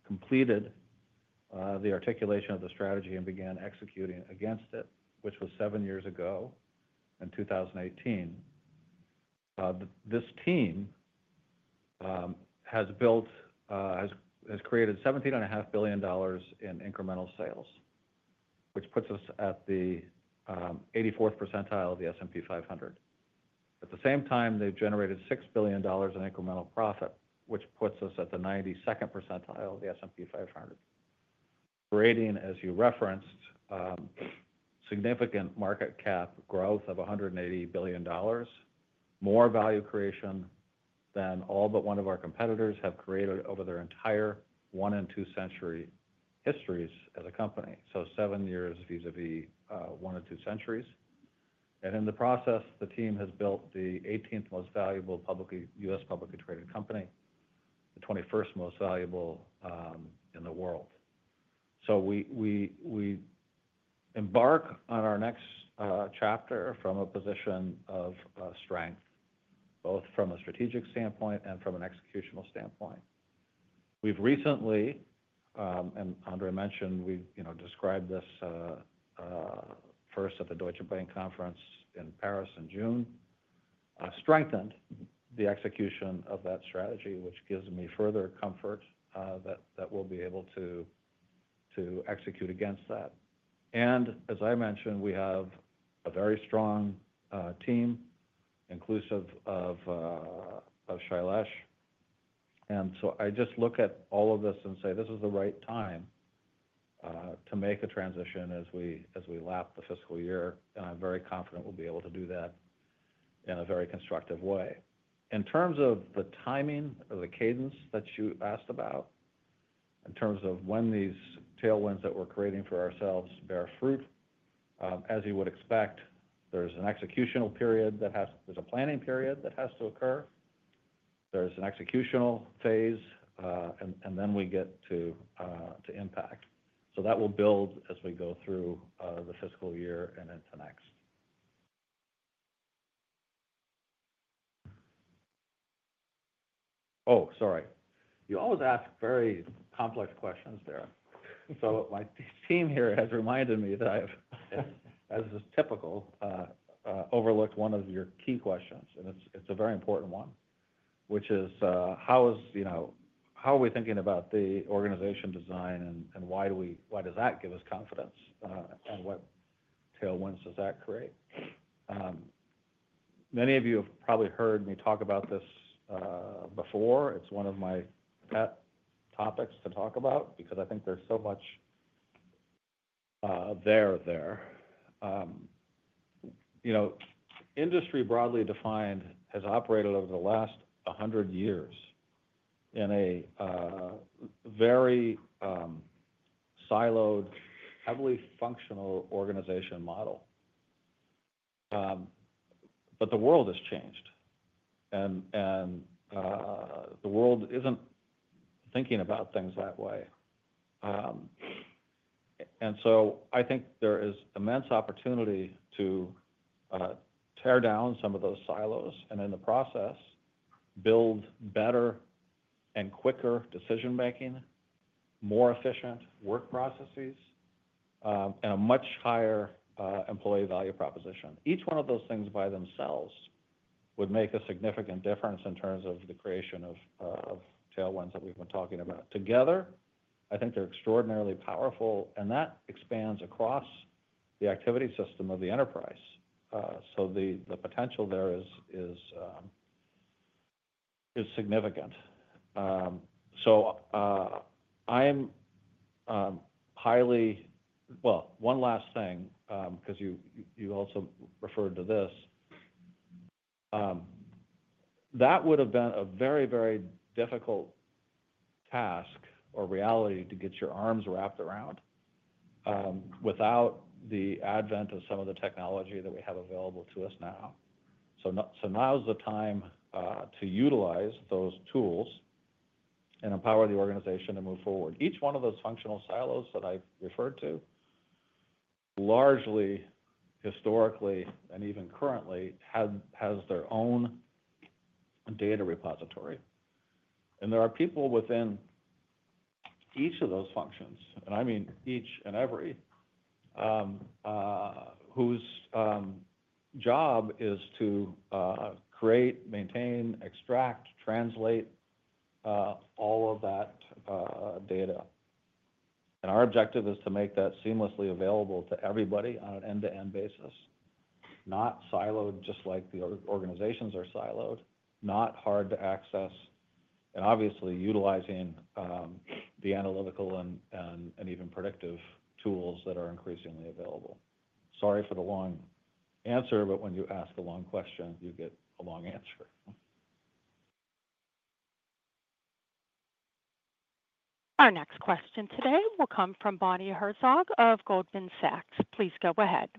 completed the articulation of the strategy and began executing against it, which was seven years ago in 2018, this team has created $17.5 billion in incremental sales, which puts us at the 84th percentile of the S&P 500. At the same time, they've generated $6 billion in incremental profit, which puts us at the 92nd percentile of the S&P 500, creating, as you referenced, significant market cap growth of $180 billion, more value creation than all but one of our competitors have created over their entire one and two-century histories as a company. So seven years vis-à-vis one and two centuries. And in the process, the team has built the 18th most valuable US publicly traded company, the 21st most valuable in the world. So we embark on our next chapter from a position of strength, both from a strategic standpoint and from an executional standpoint. We've recently, and Andre mentioned, we described this first at the Deutsche Bank conference in Paris in June, strengthened the execution of that strategy, which gives me further comfort that we'll be able to execute against that. And as I mentioned, we have a very strong team, inclusive of Shailesh. And so I just look at all of this and say, this is the right time to make a transition as we lap the fiscal year. And I'm very confident we'll be able to do that in a very constructive way. In terms of the timing or the cadence that you asked about, in terms of when these tailwinds that we're creating for ourselves bear fruit, as you would expect, there's an executional period that has—there's a planning period that has to occur. There's an executional phase, and then we get to impact. So that will build as we go through the fiscal year and into next. Oh, sorry. You always ask very complex questions, Dara. So my team here has reminded me that I have, as is typical, overlooked one of your key questions. And it's a very important one, which is, how are we thinking about the organization design, and why does that give us confidence, and what tailwinds does that create? Many of you have probably heard me talk about this before. It's one of my topics to talk about because I think there's so much there there. Industry, broadly defined, has operated over the last 100 years in a very siloed, heavily functional organization model. But the world has changed, and the world isn't thinking about things that way. And so I think there is immense opportunity to tear down some of those silos and, in the process, build better and quicker decision-making, more efficient work processes, and a much higher employee value proposition. Each one of those things by themselves would make a significant difference in terms of the creation of tailwinds that we've been talking about. Together, I think they're extraordinarily powerful, and that expands across the activity system of the enterprise. So the potential there is significant. So I'm highly—well, one last thing, because you also referred to this. That would have been a very, very difficult task or reality to get your arms wrapped around without the advent of some of the technology that we have available to us now. So now's the time to utilize those tools and empower the organization to move forward. Each one of those functional silos that I've referred to, largely historically and even currently, has their own data repository. And there are people within each of those functions, and I mean each and every, whose job is to create, maintain, extract, translate all of that data. And our objective is to make that seamlessly available to everybody on an end-to-end basis, not siloed just like the organizations are siloed, not hard to access, and obviously utilizing the analytical and even predictive tools that are increasingly available. Sorry for the long answer, but when you ask a long question, you get a long answer. Our next question today will come from Bonnie Herzog of Goldman Sachs. Please go ahead.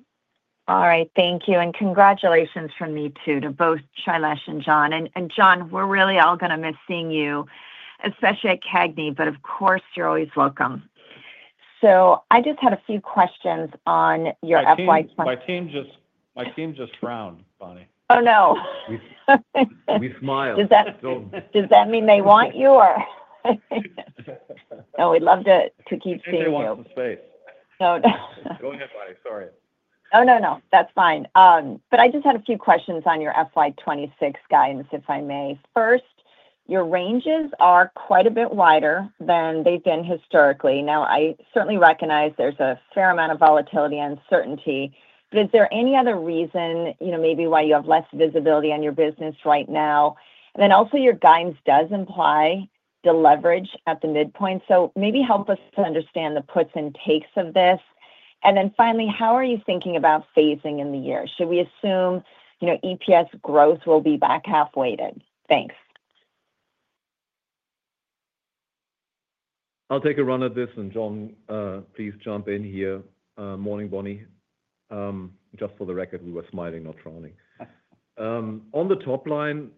All right. Thank you. And congratulations from me too to both Shailesh and John. And John, we're really all going to miss seeing you, especially at Cagneye, but of course, you're always welcome. So I just had a few questions on your FY. My team just frowned, Bonnie. Oh, no. We smiled. Does that mean they want you or? Oh, we'd love to keep seeing you. I didn't want the space. Oh, no. Go ahead, Bonnie. Sorry. Oh, no, no. That's fine. But I just had a few questions on your FY 26 guidance, if I may. First, your ranges are quite a bit wider than they've been historically. Now, I certainly recognize there's a fair amount of volatility and uncertainty, but is there any other reason maybe why you have less visibility on your business right now? And then also, your guidance does imply the leverage at the midpoint. So maybe help us to understand the puts and takes of this. And then finally, how are you thinking about phasing in the year? Should we assume EPS growth will be back half-weighted? Thanks. I'll take a run at this, and John, please jump in here. Morning, Bonnie. Just for the record, we were smiling, not frowning. On the top line,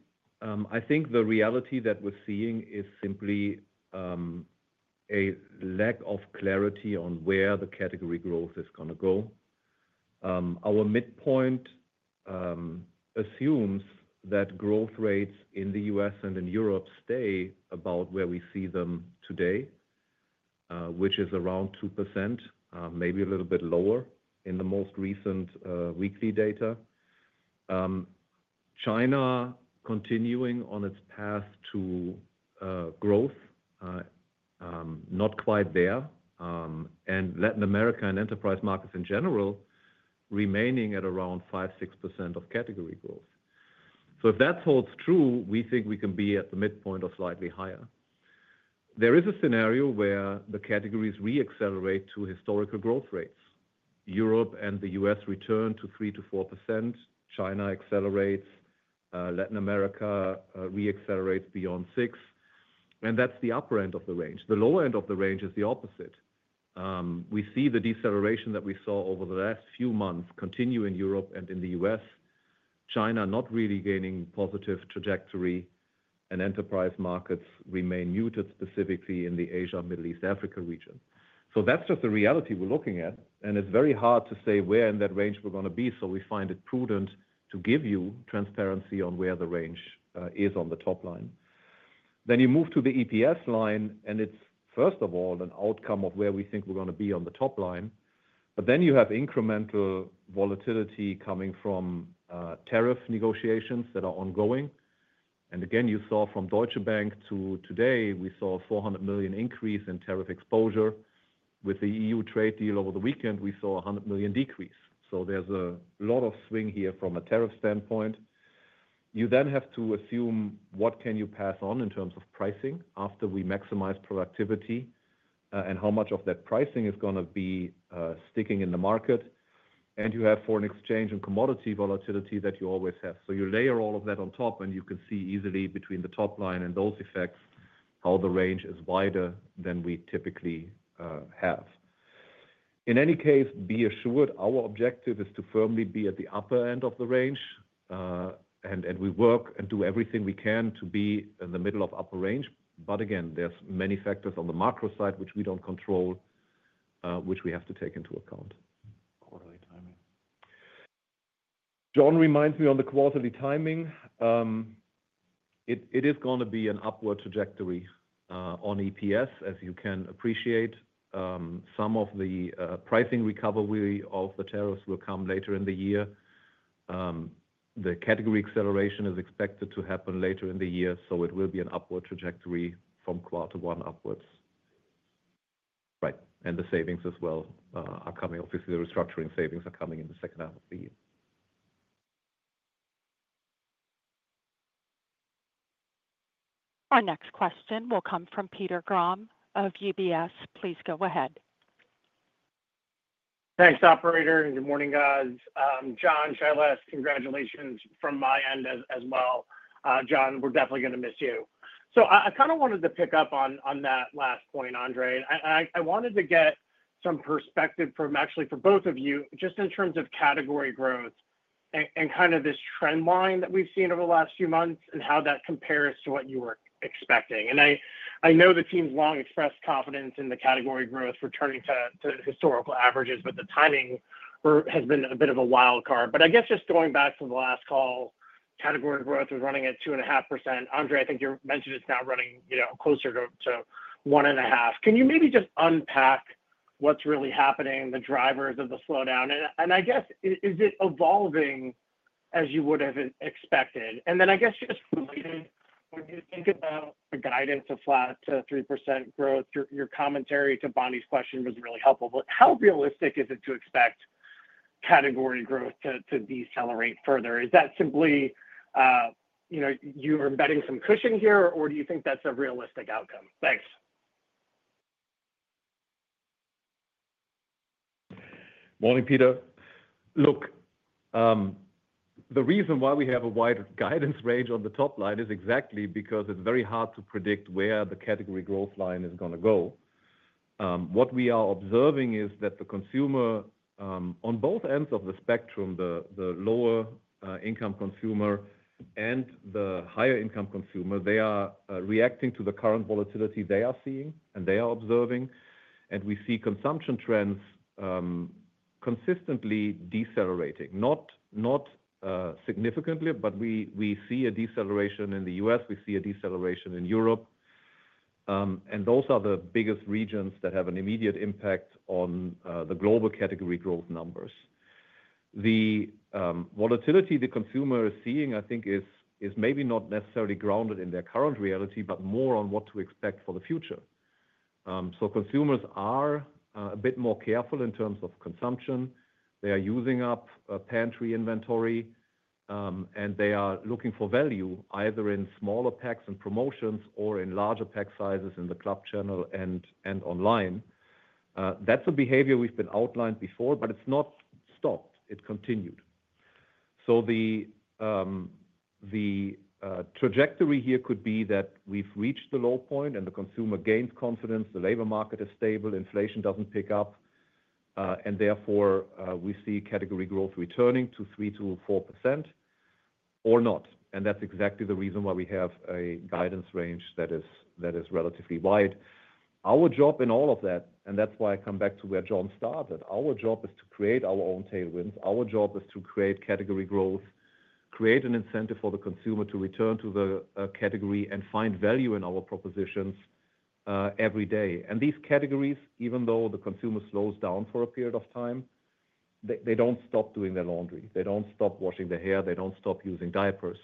I think the reality that we're seeing is simply a lack of clarity on where the category growth is going to go. Our midpoint assumes that growth rates in the US and in Europe stay about where we see them today, which is around 2%, maybe a little bit lower in the most recent weekly data. China continuing on its path to growth, not quite there, and Latin America and enterprise markets in general remaining at around 5%, 6% of category growth. So if that holds true, we think we can be at the midpoint or slightly higher. There is a scenario where the categories re-accelerate to historical growth rates. Europe and the US return to 3% to 4%. China accelerates. Latin America re-accelerates beyond 6%. And that's the upper end of the range. The lower end of the range is the opposite. We see the deceleration that we saw over the last few months continue in Europe and in the US. China not really gaining positive trajectory, and enterprise markets remain muted specifically in the Asia, Middle East, Africa region. So that's just the reality we're looking at, and it's very hard to say where in that range we're going to be. So we find it prudent to give you transparency on where the range is on the top line. Then you move to the EPS line, and it's, first of all, an outcome of where we think we're going to be on the top line. But then you have incremental volatility coming from tariff negotiations that are ongoing. And again, you saw from Deutsche Bank to today, we saw a 400 million increase in tariff exposure. With the EU trade deal over the weekend, we saw a 100 million decrease. So there's a lot of swing here from a tariff standpoint. You then have to assume what can you pass on in terms of pricing after we maximize productivity and how much of that pricing is going to be sticking in the market. And you have foreign exchange and commodity volatility that you always have. So you layer all of that on top, and you can see easily between the top line and those effects how the range is wider than we typically have. In any case, be assured our objective is to firmly be at the upper end of the range, and we work and do everything we can to be in the middle of upper range. But again, there's many factors on the macro side which we don't control, which we have to take into account. Quarterly timing. John reminds me on the quarterly timing. It is going to be an upward trajectory on EPS, as you can appreciate. Some of the pricing recovery of the tariffs will come later in the year. The category acceleration is expected to happen later in the year, so it will be an upward trajectory from quarter one upwards. Right. And the savings as well are coming. Obviously, the restructuring savings are coming in the second half of the year. Our next question will come from Peter Graham of UBS. Please go ahead. Thanks, operator. Good morning, guys. John, Shailesh, congratulations from my end as well. John, we're definitely going to miss you. So I kind of wanted to pick up on that last point, Andre. And I wanted to get some perspective from actually for both of you just in terms of category growth and kind of this trend line that we've seen over the last few months and how that compares to what you were expecting. And I know the team's long expressed confidence in the category growth returning to historical averages, but the timing has been a bit of a wild card. But I guess just going back to the last call, category growth was running at 2.5%. Andre, I think you mentioned it's now running closer to 1.5%. Can you maybe just unpack what's really happening, the drivers of the slowdown? And I guess, is it evolving as you would have expected? And then I guess just related, when you think about the guidance of flat to 3% growth, your commentary to Bonnie's question was really helpful. But how realistic is it to expect category growth to decelerate further? Is that simply you're embedding some cushion here, or do you think that's a realistic outcome? Thanks. Morning, Peter. Look, the reason why we have a wider guidance range on the top line is exactly because it's very hard to predict where the category growth line is going to go. What we are observing is that the consumer on both ends of the spectrum, the lower-income consumer and the higher-income consumer, they are reacting to the current volatility they are seeing and they are observing. And we see consumption trends consistently decelerating, not significantly, but we see a deceleration in the US. We see a deceleration in Europe. And those are the biggest regions that have an immediate impact on the global category growth numbers. The volatility the consumer is seeing, I think, is maybe not necessarily grounded in their current reality, but more on what to expect for the future. So consumers are a bit more careful in terms of consumption. They are using up pantry inventory, and they are looking for value either in smaller packs and promotions or in larger pack sizes in the club channel and online. That's a behavior we've been outlined before, but it's not stopped. It continued. So the trajectory here could be that we've reached the low point and the consumer gains confidence, the labor market is stable, inflation doesn't pick up, and therefore we see category growth returning to 3% to 4% or not. And that's exactly the reason why we have a guidance range that is relatively wide. Our job in all of that, and that's why I come back to where John started, our job is to create our own tailwinds. Our job is to create category growth, create an incentive for the consumer to return to the category and find value in our propositions every day. And these categories, even though the consumer slows down for a period of time, they don't stop doing their laundry. They don't stop washing their hair. They don't stop using diapers.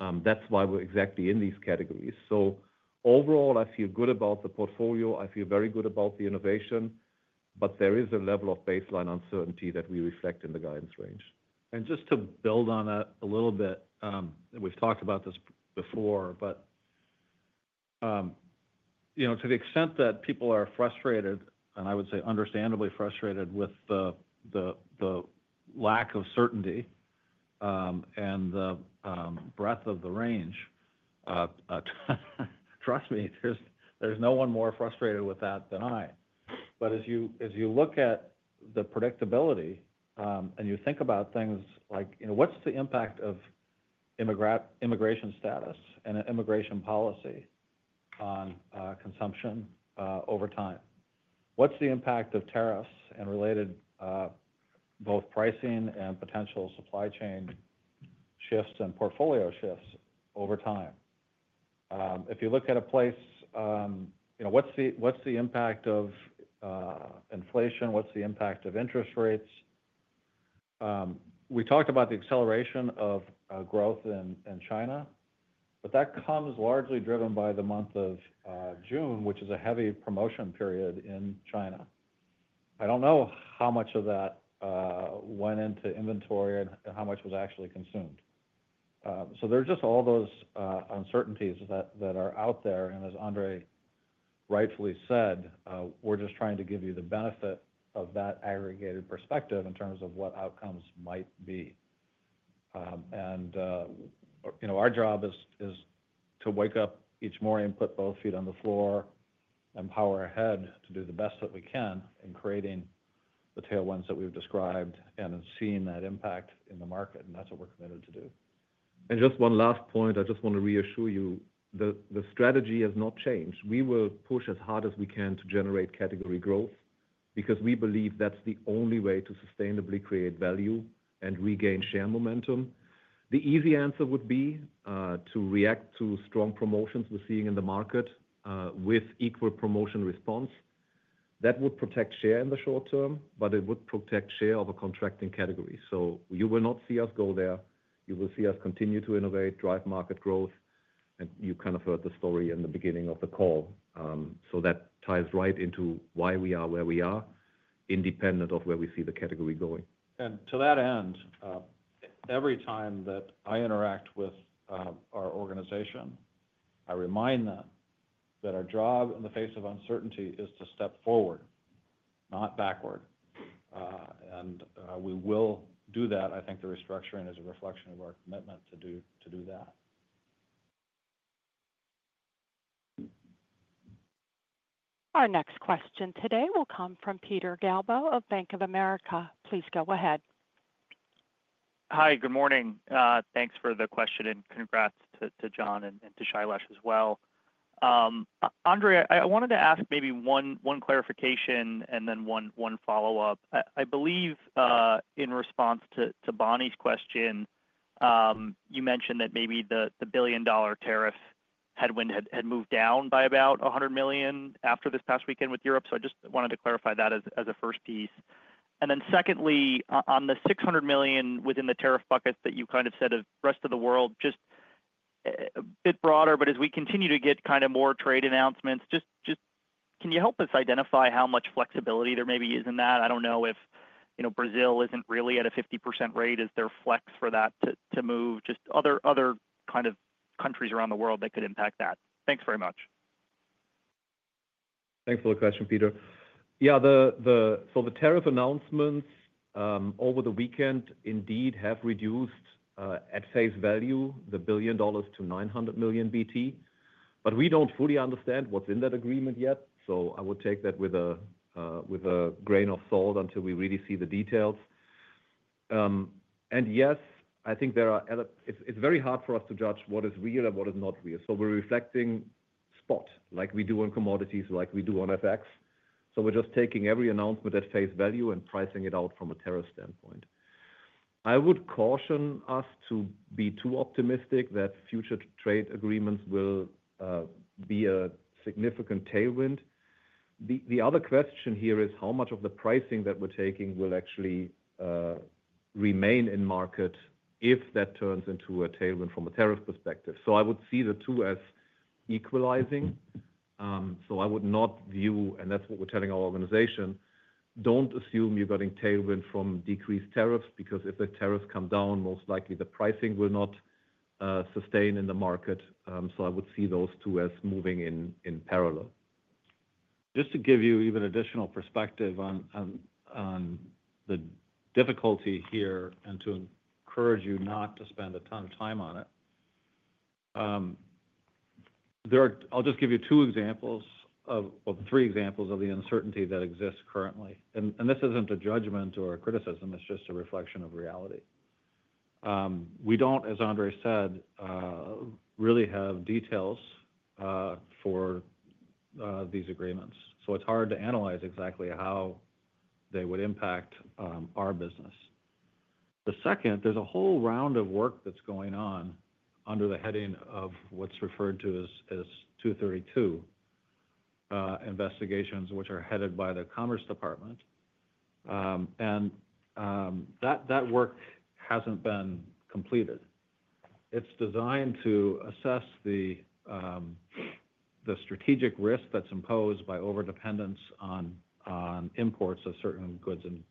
That's why we're exactly in these categories. So overall, I feel good about the portfolio. I feel very good about the innovation, but there is a level of baseline uncertainty that we reflect in the guidance range. And just to build on that a little bit, we've talked about this before, but to the extent that people are frustrated, and I would say understandably frustrated with the lack of certainty and the breadth of the range, trust me, there's no one more frustrated with that than I. But as you look at the predictability and you think about things like what's the impact of immigration status and immigration policy on consumption over time? What's the impact of tariffs and related both pricing and potential supply chain shifts and portfolio shifts over time? If you look at a place, what's the impact of inflation? What's the impact of interest rates? We talked about the acceleration of growth in China, but that comes largely driven by the month of June, which is a heavy promotion period in China. I don't know how much of that went into inventory and how much was actually consumed. So there are just all those uncertainties that are out there. And as Andre rightfully said, we're just trying to give you the benefit of that aggregated perspective in terms of what outcomes might be. And our job is to wake up each morning and put both feet on the floor and power ahead to do the best that we can in creating the tailwinds that we've described and seeing that impact in the market. And that's what we're committed to do. And just one last point. I just want to reassure you that the strategy has not changed. We will push as hard as we can to generate category growth because we believe that's the only way to sustainably create value and regain share momentum. The easy answer would be to react to strong promotions we're seeing in the market with equal promotion response. That would protect share in the short term, but it would protect share of a contracting category. So you will not see us go there. You will see us continue to innovate, drive market growth, and you kind of heard the story in the beginning of the call. So that ties right into why we are where we are, independent of where we see the category going. And to that end, every time that I interact with our organization, I remind them that our job in the face of uncertainty is to step forward, not backward. And we will do that. I think the restructuring is a reflection of our commitment to do that. Our next question today will come from Peter Galbo of Bank of America. Please go ahead. Hi. Good morning. Thanks for the question and congrats to John and to Shailesh as well. Andre, I wanted to ask maybe one clarification and then one follow-up. I believe in response to Bonnie's question, you mentioned that maybe the billion-dollar tariff headwind had moved down by about 100 million after this past weekend with Europe. So I just wanted to clarify that as a first piece. And then secondly, on the 600 million within the tariff buckets that you kind of said of rest of the world, just a bit broader, but as we continue to get kind of more trade announcements, just can you help us identify how much flexibility there may be in that? I don't know if Brazil isn't really at a 50% rate. Is there flex for that to move? Just other kind of countries around the world that could impact that. Thanks very much. Thanks for the question, Peter. Yeah. So the tariff announcements over the weekend indeed have reduced at face value the billion dollars to 900 million BT. But we don't fully understand what's in that agreement yet. So I would take that with a grain of salt until we really see the details. And yes, I think there are other it's very hard for us to judge what is real and what is not real. So we're reflecting spot like we do on commodities, like we do on FX. So we're just taking every announcement at face value and pricing it out from a tariff standpoint. I would caution us to be too optimistic that future trade agreements will be a significant tailwind. The other question here is how much of the pricing that we're taking will actually remain in market if that turns into a tailwind from a tariff perspective. So I would see the two as equalizing. So I would not view, and that's what we're telling our organization, don't assume you're getting tailwind from decreased tariffs because if the tariffs come down, most likely the pricing will not sustain in the market. So I would see those two as moving in parallel. Just to give you even additional perspective on the difficulty here and to encourage you not to spend a ton of time on it, I'll just give you two examples of three examples of the uncertainty that exists currently. And this isn't a judgment or a criticism. It's just a reflection of reality. We don't, as Andre said, really have details for these agreements. So it's hard to analyze exactly how they would impact our business. The second, there's a whole round of work that's going on under the heading of what's referred to as 232 investigations, which are headed by the Commerce Department. And that work hasn't been completed. It's designed to assess the strategic risk that's imposed by overdependence on imports of certain goods and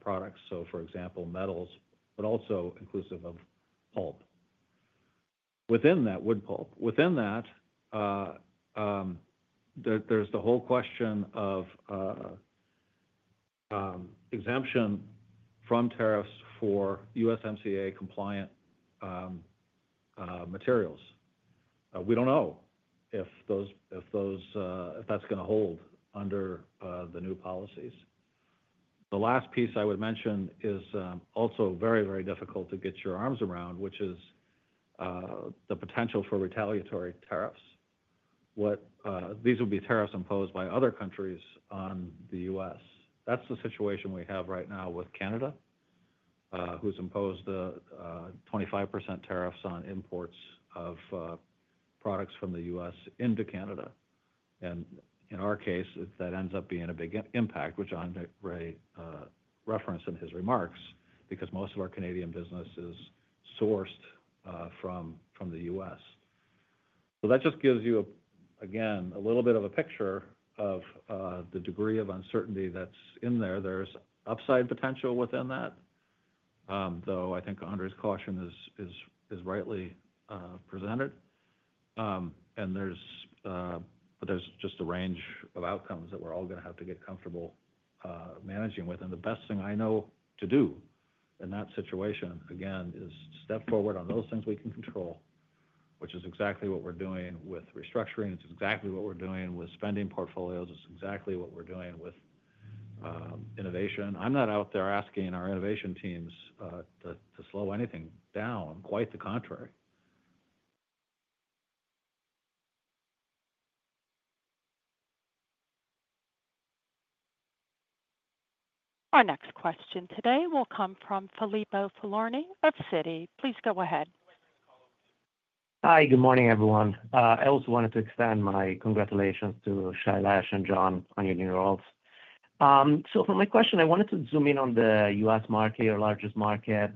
products. So, for example, metals, but also inclusive of pulp. Within that, wood pulp. Within that, there's the whole question of exemption from tariffs for USMCA-compliant materials. We don't know if that's going to hold under the new policies. The last piece I would mention is also very, very difficult to get your arms around, which is the potential for retaliatory tariffs. These would be tariffs imposed by other countries on the US. That's the situation we have right now with Canada, who's imposed 25% tariffs on imports of products from the US into Canada. And in our case, that ends up being a big impact, which Andre referenced in his remarks because most of our Canadian business is sourced from the US. So that just gives you, again, a little bit of a picture of the degree of uncertainty that's in there. There's upside potential within that, though I think Andre's caution is rightly presented. But there's just a range of outcomes that we're all going to have to get comfortable managing with. And the best thing I know to do in that situation, again, is step forward on those things we can control, which is exactly what we're doing with restructuring. It's exactly what we're doing with spending portfolios. It's exactly what we're doing with innovation. I'm not out there asking our innovation teams to slow anything down. Quite the contrary. Our next question today will come from Filippo Falorni of CITI. Please go ahead. Hi. Good morning, everyone. I also wanted to extend my congratulations to Shailesh and John on your new roles. So for my question, I wanted to zoom in on the US market, your largest market.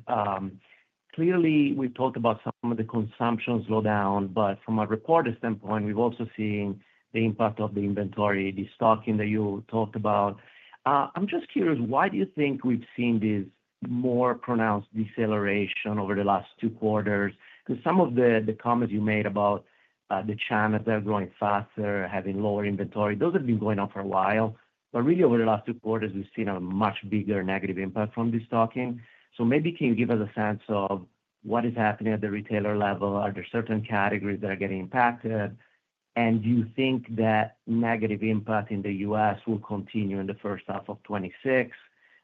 Clearly, we've talked about some of the consumption slowdown, but from a reported standpoint, we've also seen the impact of the inventory, the stocking that you talked about. I'm just curious, why do you think we've seen this more pronounced deceleration over the last two quarters? Because some of the comments you made about the China that are growing faster, having lower inventory, those have been going on for a while. But really, over the last two quarters, we've seen a much bigger negative impact from this stocking. So maybe can you give us a sense of what is happening at the retailer level? Are there certain categories that are getting impacted? And do you think that negative impact in the US will continue in the first half of '26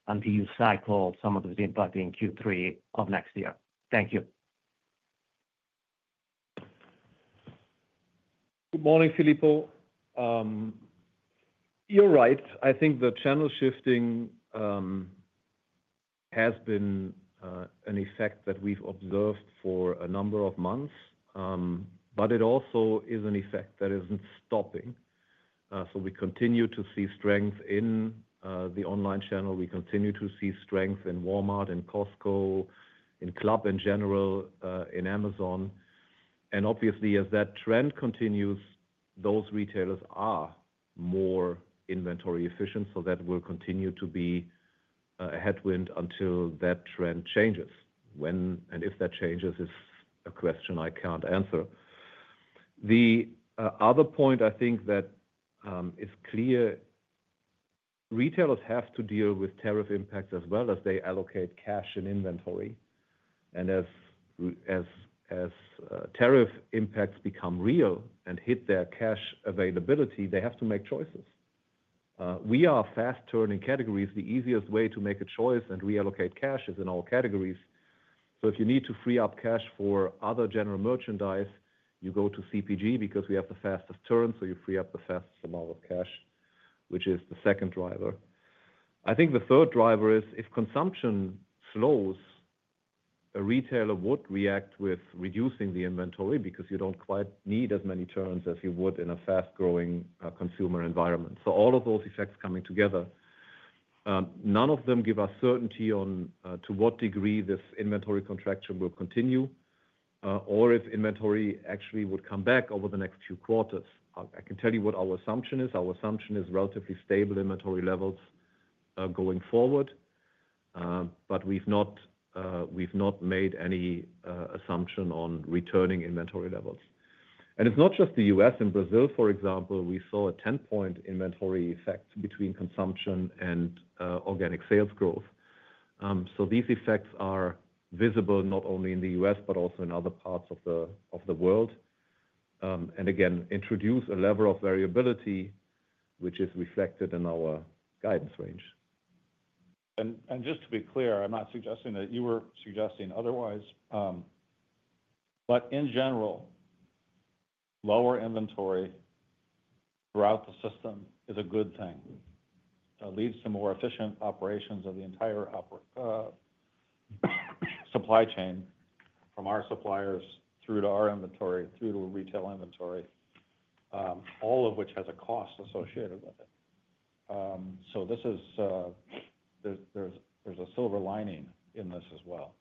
until you cycle some of those impact in Q3 of next year? Thank you. Good morning, Filippo. You're right. I think the channel shifting has been an effect that we've observed for a number of months, but it also is an effect that isn't stopping. So we continue to see strength in the online channel. We continue to see strength in Walmart, in Costco, in Club in general, in Amazon. And obviously, as that trend continues, those retailers are more inventory efficient. So that will continue to be a headwind until that trend changes. When and if that changes is a question I can't answer. The other point I think that is clear, retailers have to deal with tariff impacts as well as they allocate cash and inventory. And as tariff impacts become real and hit their cash availability, they have to make choices. We are fast turning categories. The easiest way to make a choice and reallocate cash is in all categories. So if you need to free up cash for other general merchandise, you go to CPG because we have the fastest turn. So you free up the fastest amount of cash, which is the second driver. I think the third driver is if consumption slows, a retailer would react with reducing the inventory because you don't quite need as many turns as you would in a fast-growing consumer environment. So all of those effects coming together, none of them give us certainty on to what degree this inventory contraction will continue or if inventory actually would come back over the next few quarters. I can tell you what our assumption is. Our assumption is relatively stable inventory levels going forward, but we've not made any assumption on returning inventory levels. And it's not just the US. In Brazil, for example, we saw a 10-point inventory effect between consumption and organic sales growth. So these effects are visible not only in the US, but also in other parts of the world and again, introduce a level of variability, which is reflected in our guidance range. And just to be clear, I'm not suggesting that you were suggesting otherwise, but in general, lower inventory throughout the system is a good thing. It leads to more efficient operations of the entire supply chain from our suppliers through to our inventory, through to retail inventory, all of which has a cost associated with it. So there's a silver lining in this as well.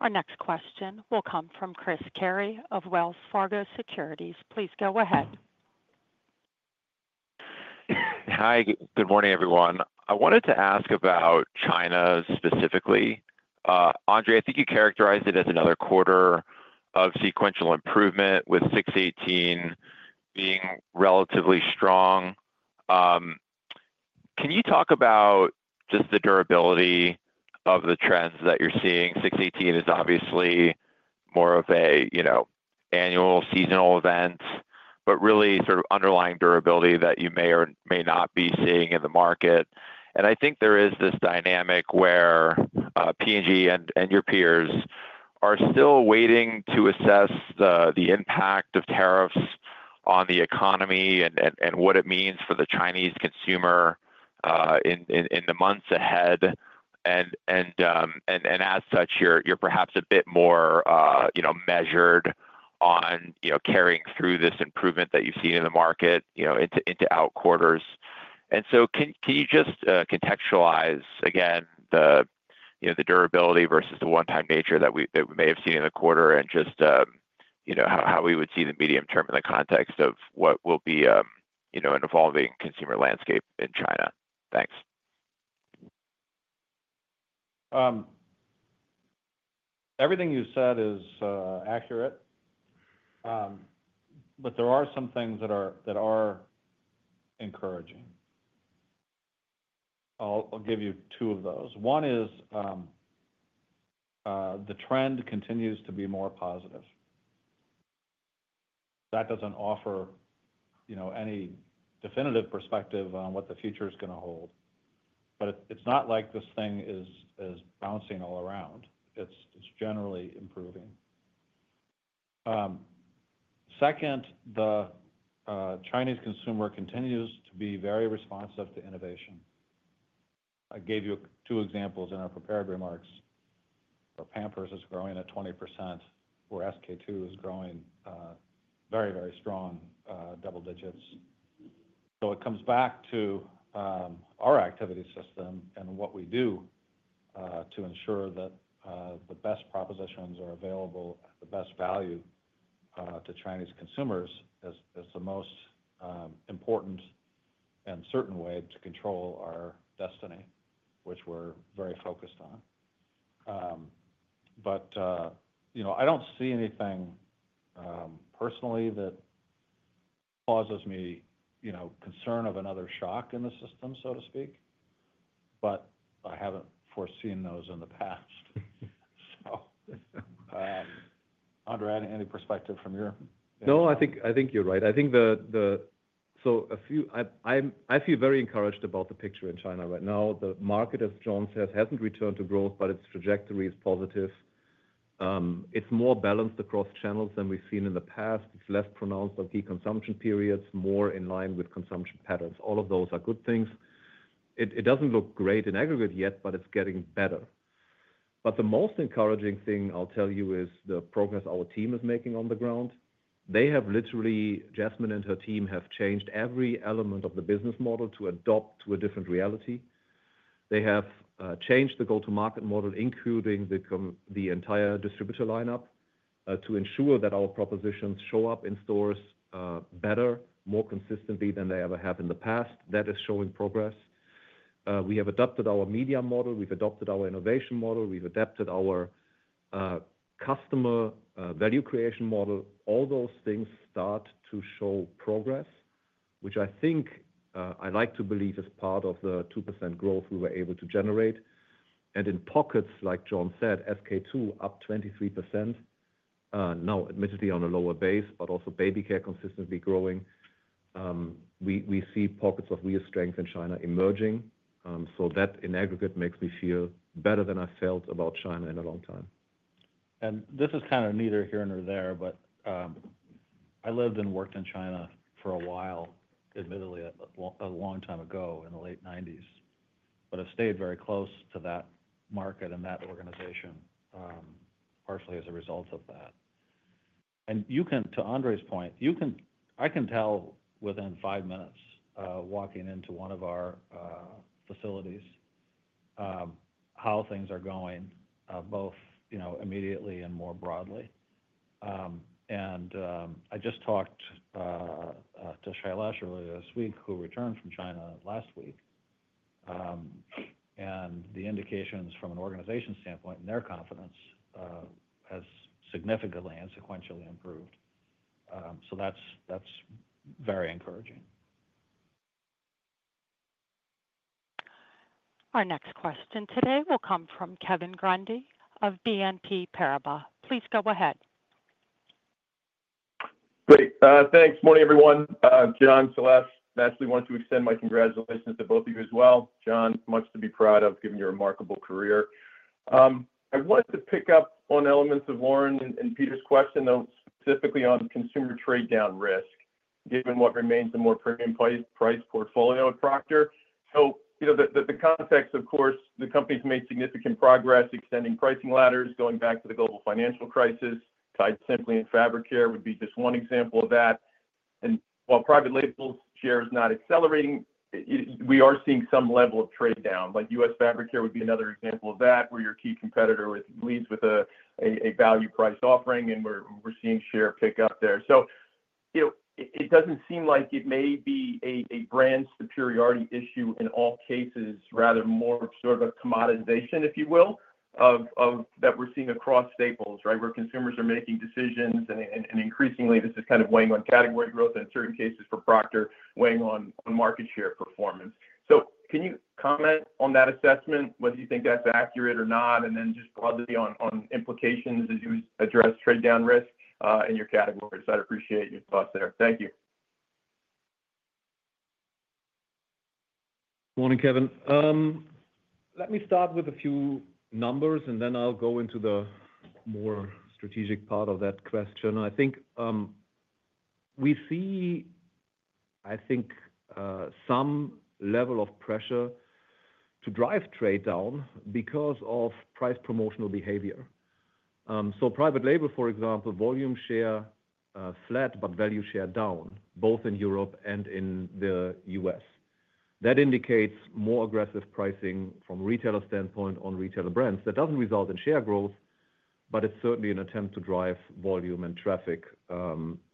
Our next question will come from Chris Carey of Wells Fargo Securities. Please go ahead. Hi. Good morning, everyone. I wanted to ask about China specifically. Andre, I think you characterized it as another quarter of sequential improvement, with 618 being relatively strong. Can you talk about just the durability of the trends that you're seeing? 618 is obviously more of an annual seasonal event, but really sort of underlying durability that you may or may not be seeing in the market. And I think there is this dynamic where P&G and your peers are still waiting to assess the impact of tariffs on the economy and what it means for the Chinese consumer in the months ahead. And as such, you're perhaps a bit more measured on carrying through this improvement that you've seen in the market into out quarters. And so can you just contextualize again the durability versus the one-time nature that we may have seen in the quarter and just how we would see the medium term in the context of what will be an evolving consumer landscape in China? Thanks. Everything you said is accurate, but there are some things that are encouraging. I'll give you two of those. One is the trend continues to be more positive. That doesn't offer any definitive perspective on what the future is going to hold, but it's not like this thing is bouncing all around. It's generally improving. Second, the Chinese consumer continues to be very responsive to innovation. I gave you two examples in our prepared remarks. Pampers is growing at 20%, whereas K2 is growing very, very strong double digits. So it comes back to our activity system and what we do to ensure that the best propositions are available at the best value to Chinese consumers is the most important and certain way to control our destiny, which we're very focused on. But I don't see anything personally that causes me concern of another shock in the system, so to speak, but I haven't foreseen those in the past. So, Andre, any perspective from your? No, I think you're right. I think the so I feel very encouraged about the picture in China right now. The market, as John says, hasn't returned to growth, but its trajectory is positive. It's more balanced across channels than we've seen in the past. It's less pronounced on key consumption periods, more in line with consumption patterns. All of those are good things. It doesn't look great in aggregate yet, but it's getting better. But the most encouraging thing I'll tell you is the progress our team is making on the ground. They have literally, Jasmine and her team have changed every element of the business model to adopt to a different reality. They have changed the go-to-market model, including the entire distributor lineup, to ensure that our propositions show up in stores better, more consistently than they ever have in the past. That is showing progress. We have adopted our media model. We've adopted our innovation model. We've adapted our customer value creation model. All those things start to show progress, which I think I like to believe is part of the 2% growth we were able to generate. And in pockets, like John said, SK2 up 23%, now admittedly on a lower base, but also baby care consistently growing. We see pockets of real strength in China emerging. So that in aggregate makes me feel better than I felt about China in a long time. And this is kind of neither here nor there, but I lived and worked in China for a while, admittedly a long time ago in the late '90s, but have stayed very close to that market and that organization partially as a result of that. And to Andre's point, I can tell within five minutes walking into one of our facilities how things are going, both immediately and more broadly. And I just talked to Shailesh earlier this week, who returned from China last week, and the indications from an organization standpoint, their confidence has significantly and sequentially improved. So that's very encouraging. Our next question today will come from Kevin Grundy of BNP Paribas. Please go ahead. Great. Thanks. Morning, everyone. John, Celeste, Nestlé wanted to extend my congratulations to both of you as well. John, much to be proud of given your remarkable career. I wanted to pick up on elements of Lauren and Peter's question, though specifically on consumer trade-down risk, given what remains a more premium-priced portfolio at Procter. So the context, of course, the company's made significant progress extending pricing ladders, going back to the global financial crisis. Tide Simply and Fabricare would be just one example of that. And while private label's share is not accelerating, we are seeing some level of trade-down. Like US Fabricare would be another example of that, where your key competitor leads with a value-priced offering, and we're seeing share pick up there. So it doesn't seem like it may be a brand superiority issue in all cases, rather more sort of a commoditization, if you will, that we're seeing across staples, right, where consumers are making decisions. And increasingly, this is kind of weighing on category growth and, in certain cases, for Procter, weighing on market share performance. So can you comment on that assessment, whether you think that's accurate or not, and then just broadly on implications as you address trade-down risk in your categories? I'd appreciate your thoughts there. Thank you. Morning, Kevin. Let me start with a few numbers, and then I'll go into the more strategic part of that question. I think we see, I think, some level of pressure to drive trade-down because of price promotional behavior. So private label, for example, volume share flat, but value share down, both in Europe and in the US. That indicates more aggressive pricing from a retailer standpoint on retailer brands. That doesn't result in share growth, but it's certainly an attempt to drive volume and traffic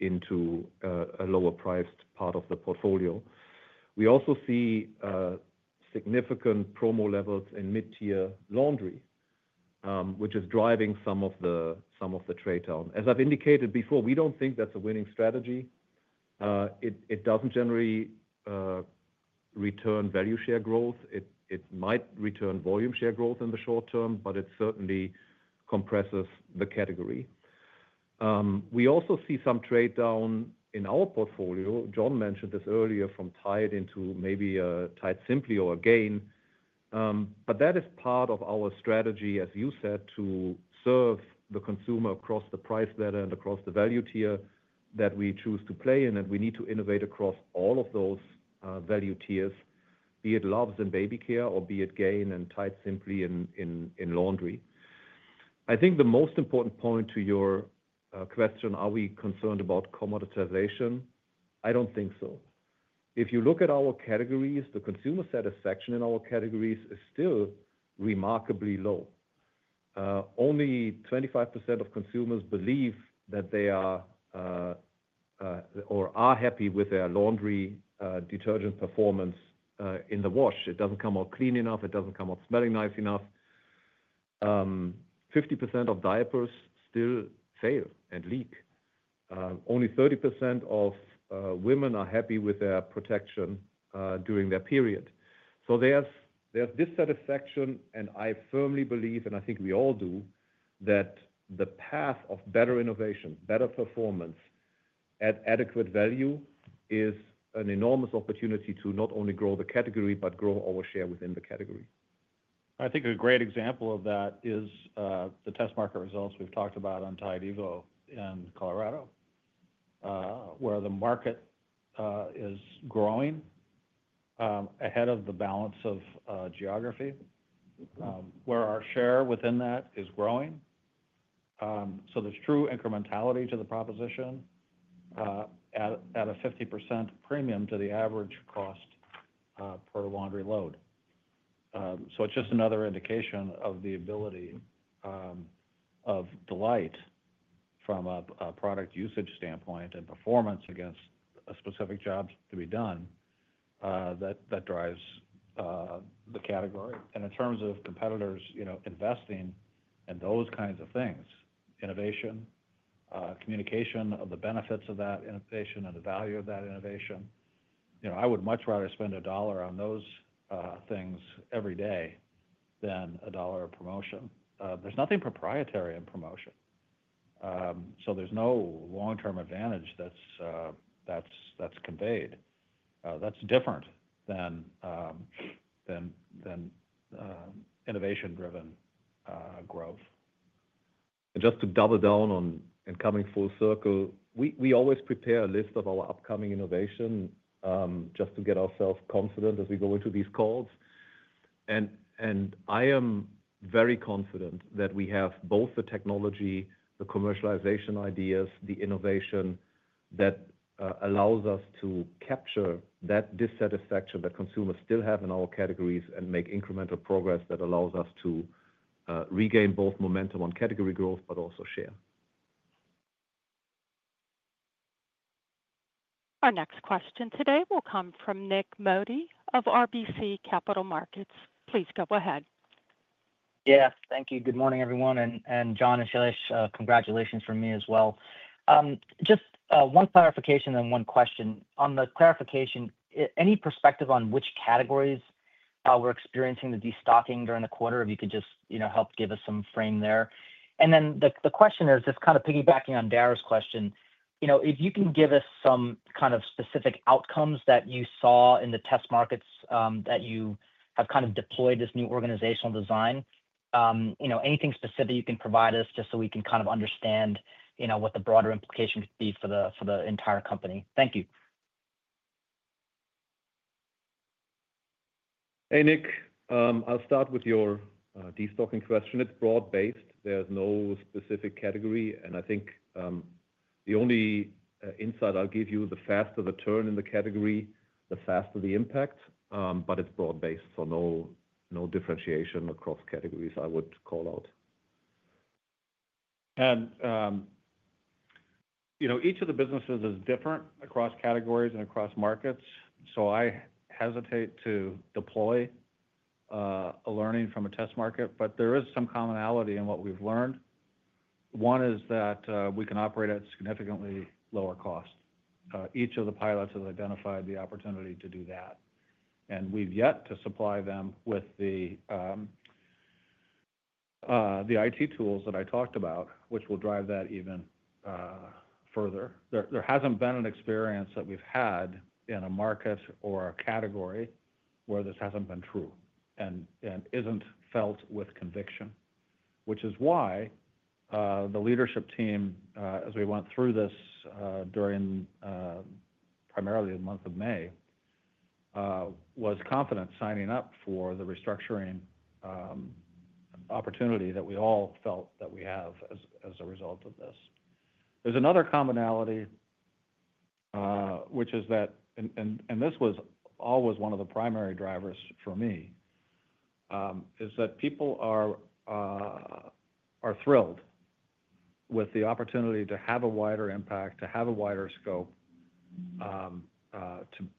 into a lower-priced part of the portfolio. We also see significant promo levels in mid-tier laundry, which is driving some of the trade-down. As I've indicated before, we don't think that's a winning strategy. It doesn't generally return value share growth. It might return volume share growth in the short term, but it certainly compresses the category. We also see some trade-down in our portfolio. John mentioned this earlier from Tide into maybe a Tide Simply or a Gain, but that is part of our strategy, as you said, to serve the consumer across the price ladder and across the value tier that we choose to play in. And we need to innovate across all of those value tiers, be it love and baby care or be it Gain and Tide Simply in laundry. I think the most important point to your question, are we concerned about commoditization? I don't think so. If you look at our categories, the consumer satisfaction in our categories is still remarkably low. Only 25% of consumers believe that they are or are happy with their laundry detergent performance in the wash. It doesn't come out clean enough. It doesn't come out smelling nice enough. 50% of diapers still fail and leak. Only 30% of women are happy with their protection during their period. So there's dissatisfaction, and I firmly believe, and I think we all do, that the path of better innovation, better performance at adequate value is an enormous opportunity to not only grow the category, but grow our share within the category. I think a great example of that is the test market results we've talked about on Tide Evo in Colorado, where the market is growing ahead of the balance of geography, where our share within that is growing. So there's true incrementality to the proposition at a 50% premium to the average cost per laundry load. So it's just another indication of the ability of delight from a product usage standpoint and performance against a specific job to be done that drives the category. In terms of competitors investing and those kinds of things, innovation, communication of the benefits of that innovation and the value of that innovation, I would much rather spend a dollar on those things every day than a dollar of promotion. There's nothing proprietary in promotion. There's no long-term advantage that's conveyed. That's different than innovation-driven growth. Just to double down and coming full circle, we always prepare a list of our upcoming innovation just to get ourselves confident as we go into these calls. I am very confident that we have both the technology, the commercialization ideas, the innovation that allows us to capture that dissatisfaction that consumers still have in our categories and make incremental progress that allows us to regain both momentum on category growth, but also share. Our next question today will come from Nik Modi of RBC Capital Markets. Please go ahead. Yes. Thank you. Good morning, everyone. And John and Celeste, congratulations from me as well. Just one clarification and one question. On the clarification, any perspective on which categories we're experiencing the destocking during the quarter? If you could just help give us some frame there. And then the question is just kind of piggybacking on Darryl's question. If you can give us some kind of specific outcomes that you saw in the test markets that you have kind of deployed this new organizational design, anything specific you can provide us just so we can kind of understand what the broader implication could be for the entire company. Thank you. Hey, Nick. I'll start with your destocking question. It's broad-based. There's no specific category. And I think the only insight I'll give you, the faster the turn in the category, the faster the impact. But it's broad-based. So no differentiation across categories, I would call out. And each of the businesses is different across categories and across markets. So I hesitate to deploy a learning from a test market, but there is some commonality in what we've learned. One is that we can operate at significantly lower cost. Each of the pilots has identified the opportunity to do that. And we've yet to supply them with the IT tools that I talked about, which will drive that even further. There hasn't been an experience that we've had in a market or a category where this hasn't been true and isn't felt with conviction, which is why the leadership team, as we went through this during primarily the month of May, was confident signing up for the restructuring opportunity that we all felt that we have as a result of this. There's another commonality, which is that, and this was always one of the primary drivers for me, is that people are thrilled with the opportunity to have a wider impact, to have a wider scope,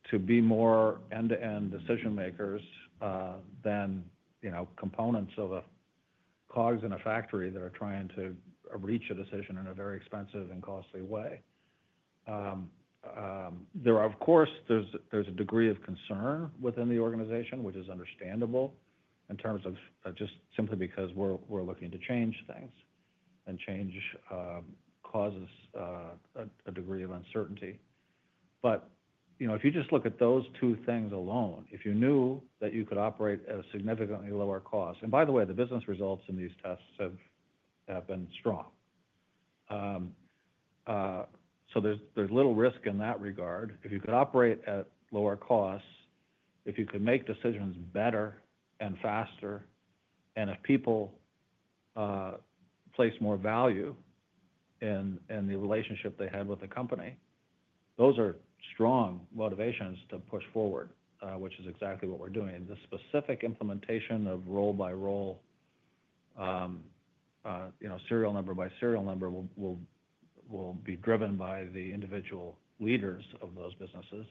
to be more end-to-end decision-makers than components of a cogs in a factory that are trying to reach a decision in a very expensive and costly way. Of course, there's a degree of concern within the organization, which is understandable in terms of just simply because we're looking to change things, and change causes a degree of uncertainty. If you just look at those two things alone, if you knew that you could operate at a significantly lower cost, and by the way, the business results in these tests have been strong. There's little risk in that regard. If you could operate at lower costs, if you could make decisions better and faster, and if people place more value in the relationship they have with the company, those are strong motivations to push forward, which is exactly what we're doing. The specific implementation of roll-by-roll, serial number by serial number will be driven by the individual leaders of those businesses.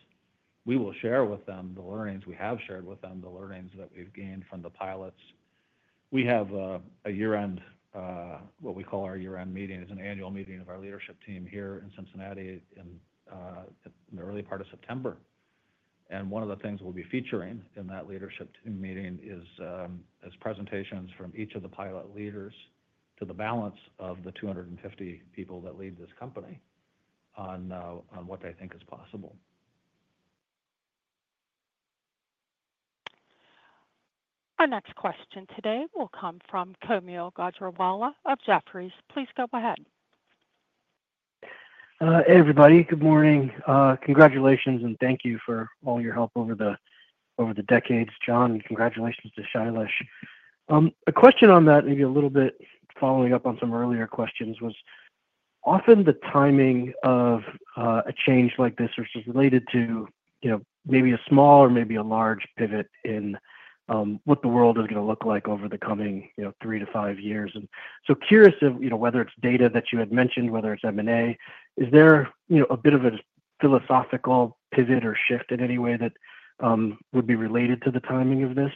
We will share with them the learnings. We have shared with them the learnings that we've gained from the pilots. We have a year-end, what we call our year-end meeting. It's an annual meeting of our leadership team here in Cincinnati in the early part of September. And one of the things we'll be featuring in that leadership meeting is presentations from each of the pilot leaders to the balance of the 250 people that lead this company on what they think is possible. Our next question today will come from Kaumil Gajrawala of Jefferies. Please go ahead. Hey, everybody. Good morning. Congratulations and thank you for all your help over the decades, John. Congratulations to Shailesh. A question on that, maybe a little bit following up on some earlier questions, was often the timing of a change like this is related to maybe a small or maybe a large pivot in what the world is going to look like over the coming three to five years. So curious of whether it's data that you had mentioned, whether it's M&A, is there a bit of a philosophical pivot or shift in any way that would be related to the timing of this?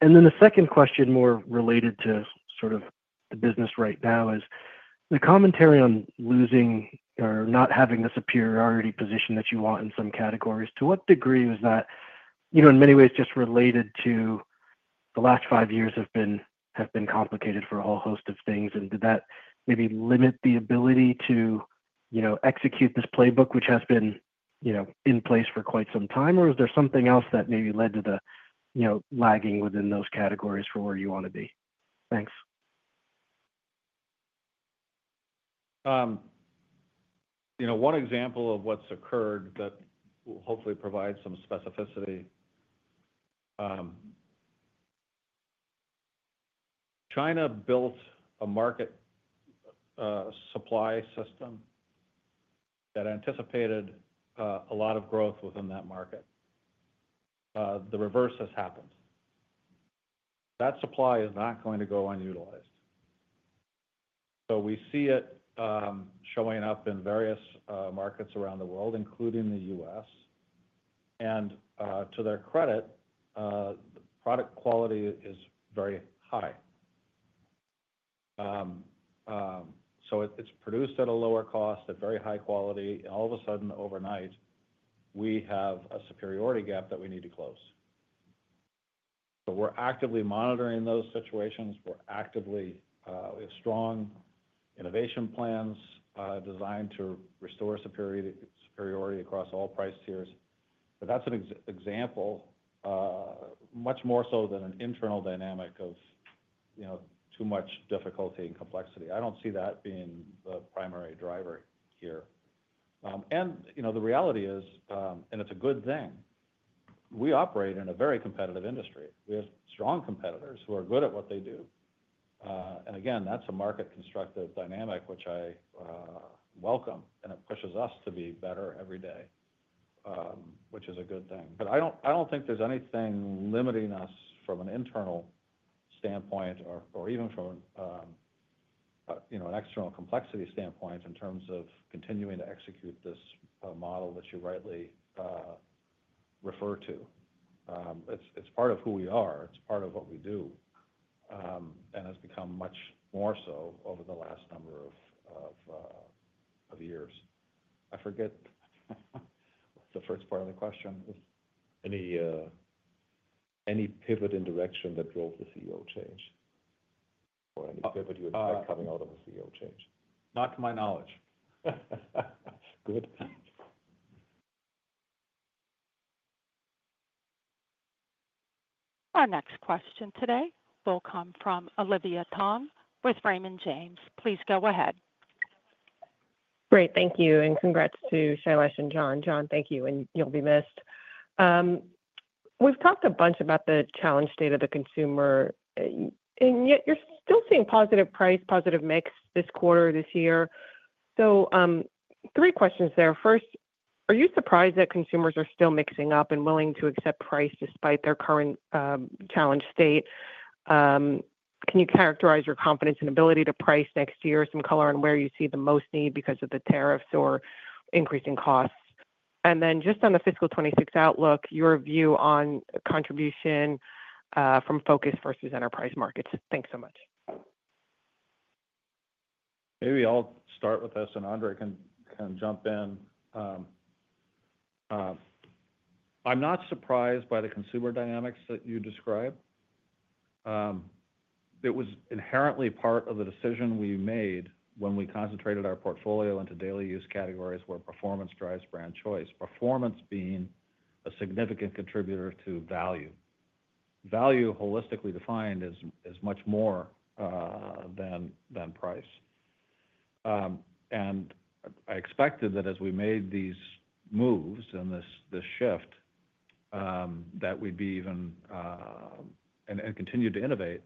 The second question, more related to sort of the business right now, is the commentary on losing or not having the superiority position that you want in some categories. To what degree was that, in many ways, just related to the last five years have been complicated for a whole host of things? Did that maybe limit the ability to execute this playbook, which has been in place for quite some time, or is there something else that maybe led to the lagging within those categories for where you want to be? Thanks. One example of what's occurred that will hopefully provide some specificity, China built a market supply system that anticipated a lot of growth within that market. The reverse has happened. That supply is not going to go unutilized. So we see it showing up in various markets around the world, including the U.S. To their credit, product quality is very high. So it's produced at a lower cost, at very high quality. All of a sudden, overnight, we have a superiority gap that we need to close. So we're actively monitoring those situations. We have strong innovation plans designed to restore superiority across all price tiers. But that's an example, much more so than an internal dynamic of too much difficulty and complexity. I don't see that being the primary driver here. The reality is, and it's a good thing, we operate in a very competitive industry. We have strong competitors who are good at what they do. Again, that's a market constructive dynamic, which I welcome. It pushes us to be better every day, which is a good thing. But I don't think there's anything limiting us from an internal standpoint or even from an external complexity standpoint in terms of continuing to execute this model that you rightly refer to. It's part of who we are. It's part of what we do. And it's become much more so over the last number of years. I forget the first part of the question. Any pivot in direction that drove the CEO change or any pivot you expect coming out of the CEO change? Not to my knowledge. Good. Our next question today will come from Olivia Tong with Raymond James. Please go ahead. Great. Thank you. And congrats to Shailesh and John. John, thank you. And you'll be missed. We've talked a bunch about the challenge state of the consumer. And yet you're still seeing positive price, positive mix this quarter, this year. So three questions there. First, are you surprised that consumers are still mixing up and willing to accept price despite their current challenge state? Can you characterize your confidence and ability to price next year some color on where you see the most need because of the tariffs or increasing costs? And then just on the fiscal '26 outlook, your view on contribution from focus versus enterprise markets. Thanks so much. Maybe I'll start with this, and Andre can jump in. I'm not surprised by the consumer dynamics that you describe. It was inherently part of the decision we made when we concentrated our portfolio into daily use categories where performance drives brand choice, performance being a significant contributor to value. Value, holistically defined, is much more than price. And I expected that as we made these moves and this shift, that we'd be even and continue to innovate,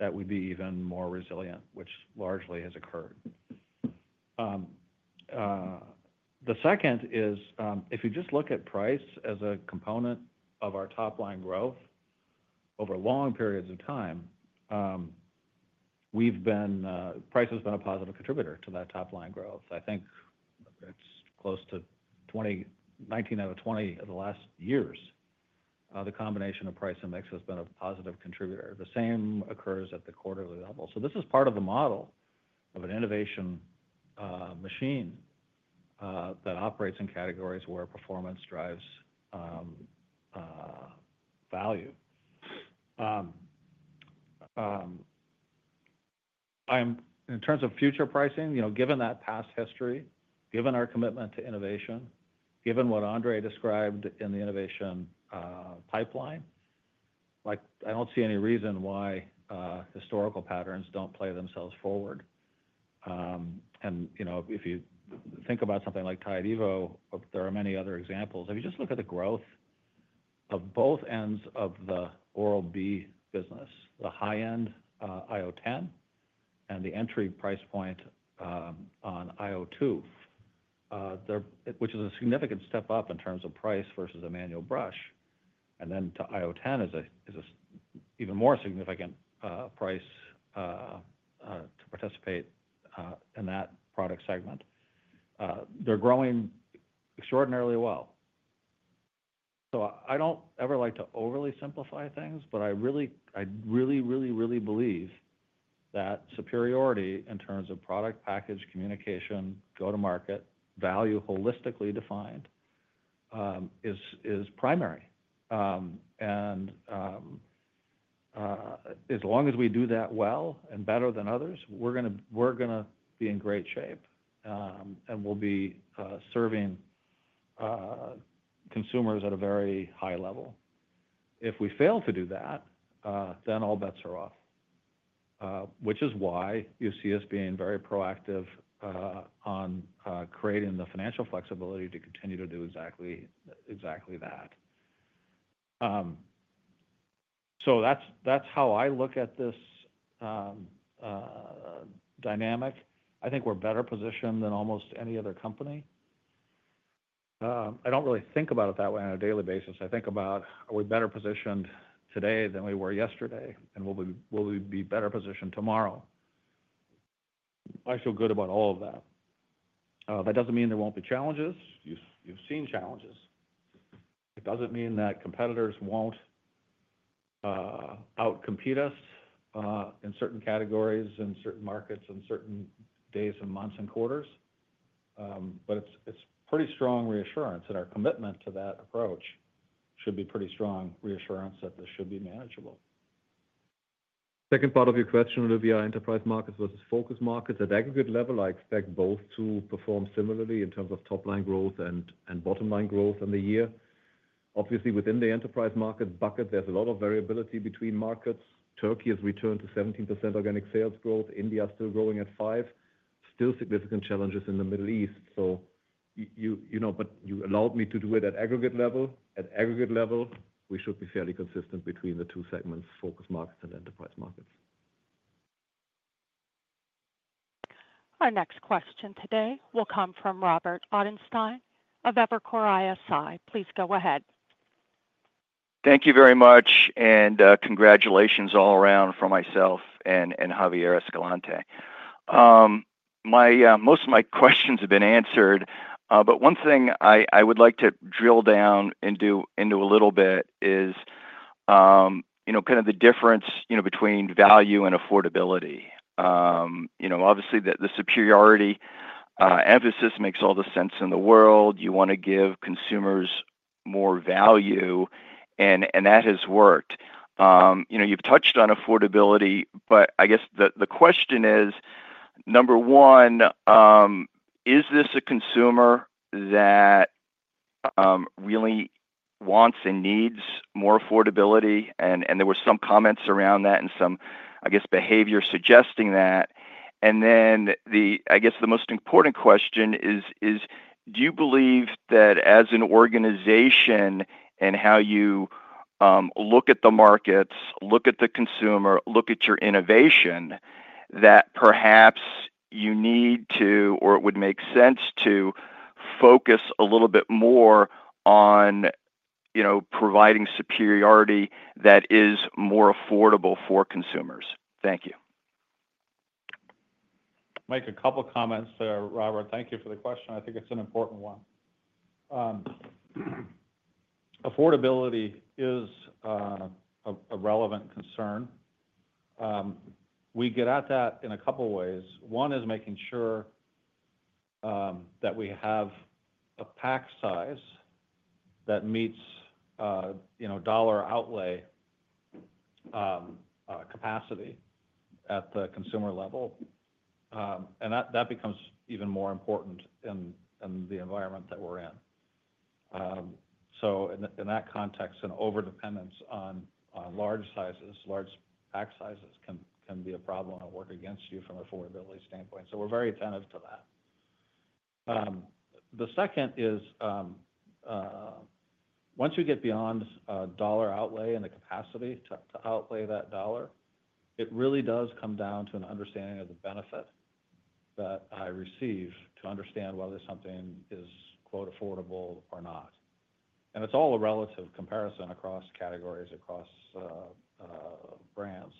that we'd be even more resilient, which largely has occurred. The second is, if you just look at price as a component of our top-line growth over long periods of time, price has been a positive contributor to that top-line growth. I think it's close to 19 out of 20 of the last years. The combination of price and mix has been a positive contributor. The same occurs at the quarterly level. So this is part of the model of an innovation machine that operates in categories where performance drives value. In terms of future pricing, given that past history, given our commitment to innovation, given what Andre described in the innovation pipeline, I don't see any reason why historical patterns don't play themselves forward. And if you think about something like Tide Evo, there are many other examples. If you just look at the growth of both ends of the Oral-B business, the high-end IO10 and the entry price point on IO2, which is a significant step up in terms of price versus a manual brush, and then to IO10 is an even more significant price to participate in that product segment, they're growing extraordinarily well. So I don't ever like to overly simplify things, but I really, really, really, really believe that superiority in terms of product package, communication, go-to-market, value holistically defined is primary. And as long as we do that well and better than others, we're going to be in great shape. And we'll be serving consumers at a very high level. If we fail to do that, then all bets are off, which is why you see us being very proactive on creating the financial flexibility to continue to do exactly that. So that's how I look at this dynamic. I think we're better positioned than almost any other company. I don't really think about it that way on a daily basis. I think about, are we better positioned today than we were yesterday? And will we be better positioned tomorrow? I feel good about all of that. That doesn't mean there won't be challenges. You've seen challenges. It doesn't mean that competitors won't outcompete us in certain categories and certain markets and certain days and months and quarters. But it's pretty strong reassurance, and our commitment to that approach should be pretty strong reassurance that this should be manageable. Second part of your question, Olivia, enterprise markets versus focus markets. At aggregate level, I expect both to perform similarly in terms of top-line growth and bottom-line growth in the year. Obviously, within the enterprise market bucket, there's a lot of variability between markets. Turkey has returned to 17% organic sales growth. India is still growing at 5%. Still significant challenges in the Middle East. But you allowed me to do it at aggregate level. At aggregate level, we should be fairly consistent between the two segments, focus markets and enterprise markets. Our next question today will come from Robert Ottenstein of Evercore ISI. Please go ahead. Thank you very much. And congratulations all around from myself and Javier Escalante. Most of my questions have been answered. But one thing I would like to drill down into a little bit is kind of the difference between value and affordability. Obviously, the superiority emphasis makes all the sense in the world. You want to give consumers more value. And that has worked. You've touched on affordability. But I guess the question is, number one, is this a consumer that really wants and needs more affordability? And there were some comments around that and some, I guess, behavior suggesting that. And then I guess the most important question is, do you believe that as an organization and how you look at the markets, look at the consumer, look at your innovation, that perhaps you need to, or it would make sense to focus a little bit more on providing superiority that is more affordable for consumers? Thank you. Make a couple of comments, Robert. Thank you for the question. I think it's an important one. Affordability is a relevant concern. We get at that in a couple of ways. One is making sure that we have a pack size that meets dollar outlay capacity at the consumer level. And that becomes even more important in the environment that we're in. So in that context, an overdependence on large sizes, large pack sizes can be a problem and work against you from an affordability standpoint. So we're very attentive to that. The second is, once you get beyond dollar outlay and the capacity to outlay that dollar, it really does come down to an understanding of the benefit that I receive to understand whether something is "affordable" or not. And it's all a relative comparison across categories, across brands.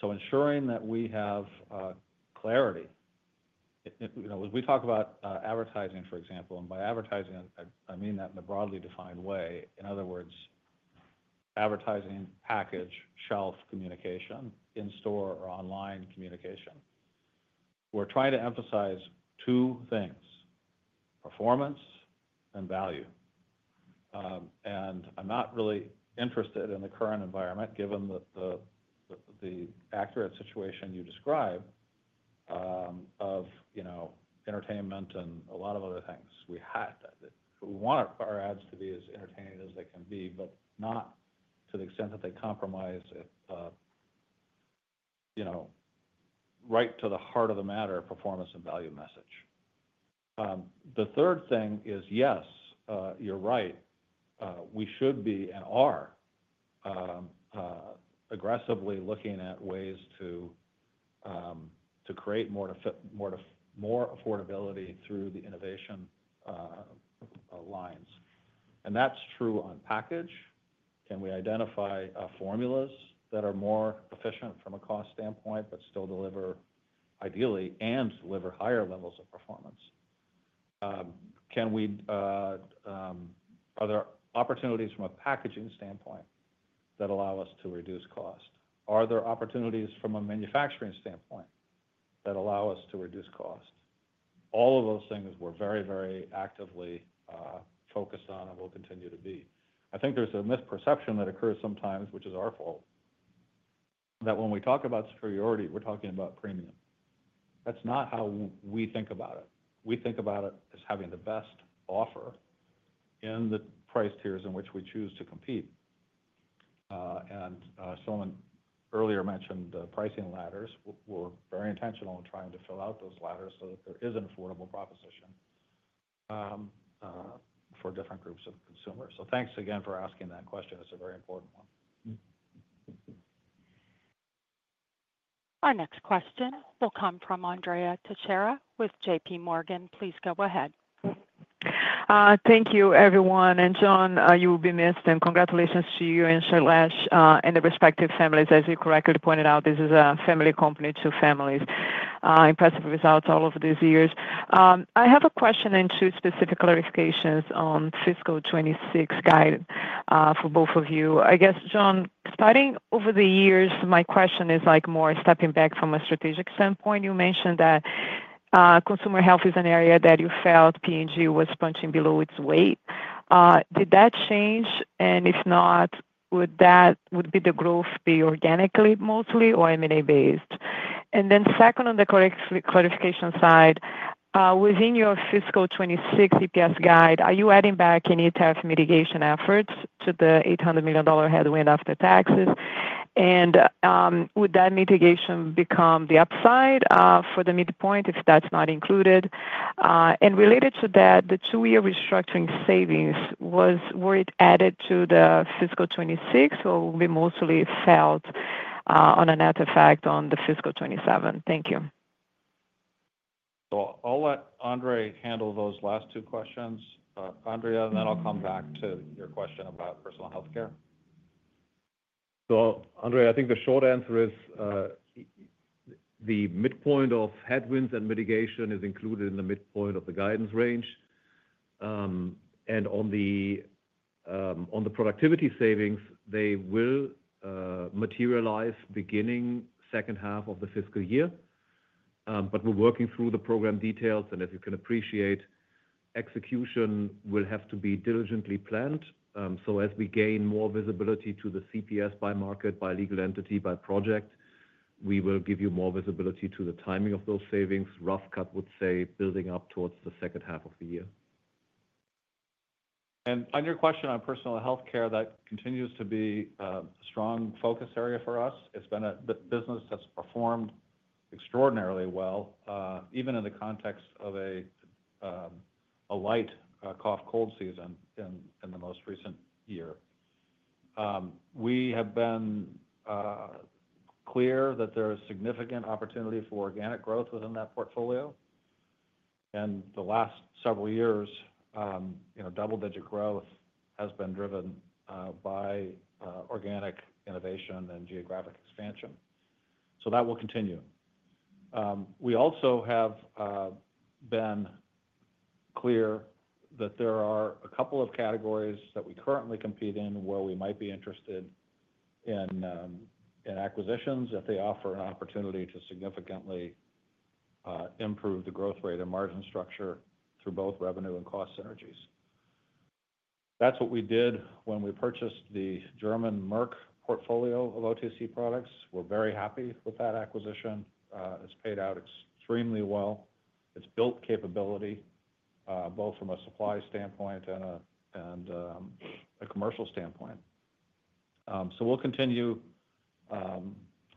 So ensuring that we have clarity. We talk about advertising, for example. And by advertising, I mean that in a broadly defined way. In other words, advertising, package, shelf communication, in-store or online communication. We're trying to emphasize two things: performance and value. And I'm not really interested in the current environment, given the accurate situation you described of entertainment and a lot of other things. We want our ads to be as entertaining as they can be, but not to the extent that they compromise right to the heart of the matter performance and value message. The third thing is, yes, you're right. We should be and are aggressively looking at ways to create more affordability through the innovation lines. And that's true on package. Can we identify formulas that are more efficient from a cost standpoint, but still deliver ideally and deliver higher levels of performance? Are there opportunities from a packaging standpoint that allow us to reduce cost? Are there opportunities from a manufacturing standpoint that allow us to reduce cost? All of those things we're very, very actively focused on and will continue to be. I think there's a misperception that occurs sometimes, which is our fault, that when we talk about superiority, we're talking about premium. That's not how we think about it. We think about it as having the best offer in the price tiers in which we choose to compete. And someone earlier mentioned the pricing ladders. We're very intentional in trying to fill out those ladders so that there is an affordable proposition for different groups of consumers. So thanks again for asking that question. It's a very important one. Our next question will come from Andrea Teixeira with JPMorgan. Please go ahead. Thank you, everyone. And John, you will be missed. And congratulations to you and Shailesh and the respective families. As you correctly pointed out, this is a family company to families. Impressive results all over these years. I have a question and two specific clarifications on fiscal '26 guide for both of you. I guess, John, starting over the years, my question is more stepping back from a strategic standpoint. You mentioned that consumer health is an area that you felt P&G was punching below its weight. Did that change? And if not, would the growth be organically mostly or M&A-based? And then second, on the clarification side, within your fiscal '26 EPS guide, are you adding back any tariff mitigation efforts to the $800 million headwind after taxes? And would that mitigation become the upside for the midpoint if that's not included? And related to that, the two-year restructuring savings, were it added to the fiscal '26 or will be mostly felt on an after effect on the fiscal '27? Thank you. So I'll let Andre handle those last two questions. Andrea, then I'll come back to your question about personal healthcare. So Andrea, I think the short answer is the midpoint of headwinds and mitigation is included in the midpoint of the guidance range. And on the productivity savings, they will materialize beginning second half of the fiscal year. But we're working through the program details. And as you can appreciate, execution will have to be diligently planned. So as we gain more visibility to the CPS by market, by legal entity, by project, we will give you more visibility to the timing of those savings, rough cut would say, building up towards the second half of the year. And on your question on personal healthcare, that continues to be a strong focus area for us. It's been a business that's performed extraordinarily well, even in the context of a light cough cold season in the most recent year. We have been clear that there is significant opportunity for organic growth within that portfolio. And the last several years, double-digit growth has been driven by organic innovation and geographic expansion. So that will continue. We also have been clear that there are a couple of categories that we currently compete in where we might be interested in acquisitions if they offer an opportunity to significantly improve the growth rate and margin structure through both revenue and cost synergies. That's what we did when we purchased the German Merck portfolio of OTC products. We're very happy with that acquisition. It's paid out extremely well. It's built capability both from a supply standpoint and a commercial standpoint. So we'll continue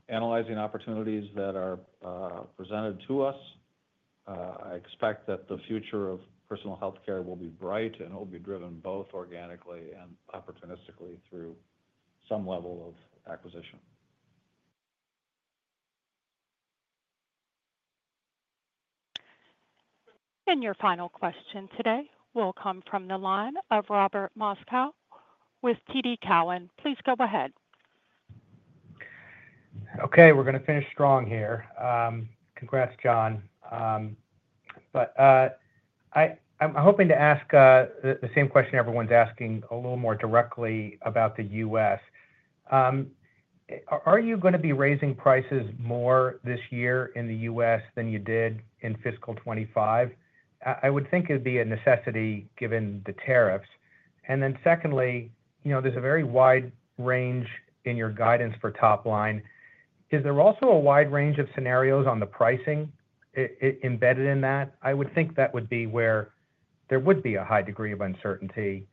analyzing opportunities that are presented to us. I expect that the future of personal healthcare will be bright, and it will be driven both organically and opportunistically through some level of acquisition. And your final question today will come from the line of Robert Moskow with TD Cowen. Please go ahead. Okay. We're going to finish strong here. Congrats, John. But I'm hoping to ask the same question everyone's asking a little more directly about the US. Are you going to be raising prices more this year in the US than you did in fiscal 2025? I would think it would be a necessity given the tariffs. And then secondly, there's a very wide range in your guidance for top line. Is there also a wide range of scenarios on the pricing embedded in that? I would think that would be where there would be a high degree of uncertainty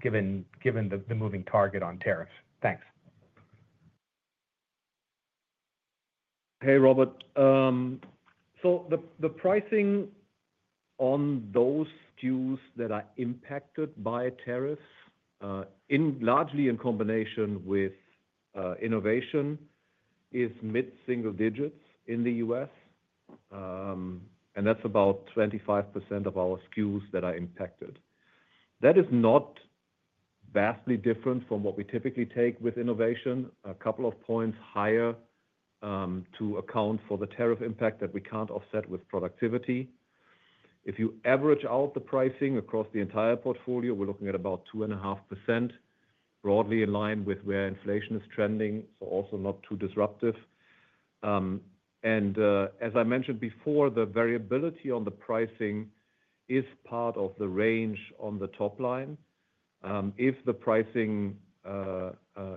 given the moving target on tariffs. Thanks. Hey, Robert. So the pricing on those SKU's that are impacted by tariffs, largely in combination with innovation, is mid-single digits in the US. And that's about 25% of our SKUs that are impacted. That is not vastly different from what we typically take with innovation, a couple of points higher to account for the tariff impact that we can't offset with productivity. If you average out the pricing across the entire portfolio, we're looking at about 2.5%, broadly in line with where inflation is trending, so also not too disruptive. And as I mentioned before, the variability on the pricing is part of the range on the top line. If the pricing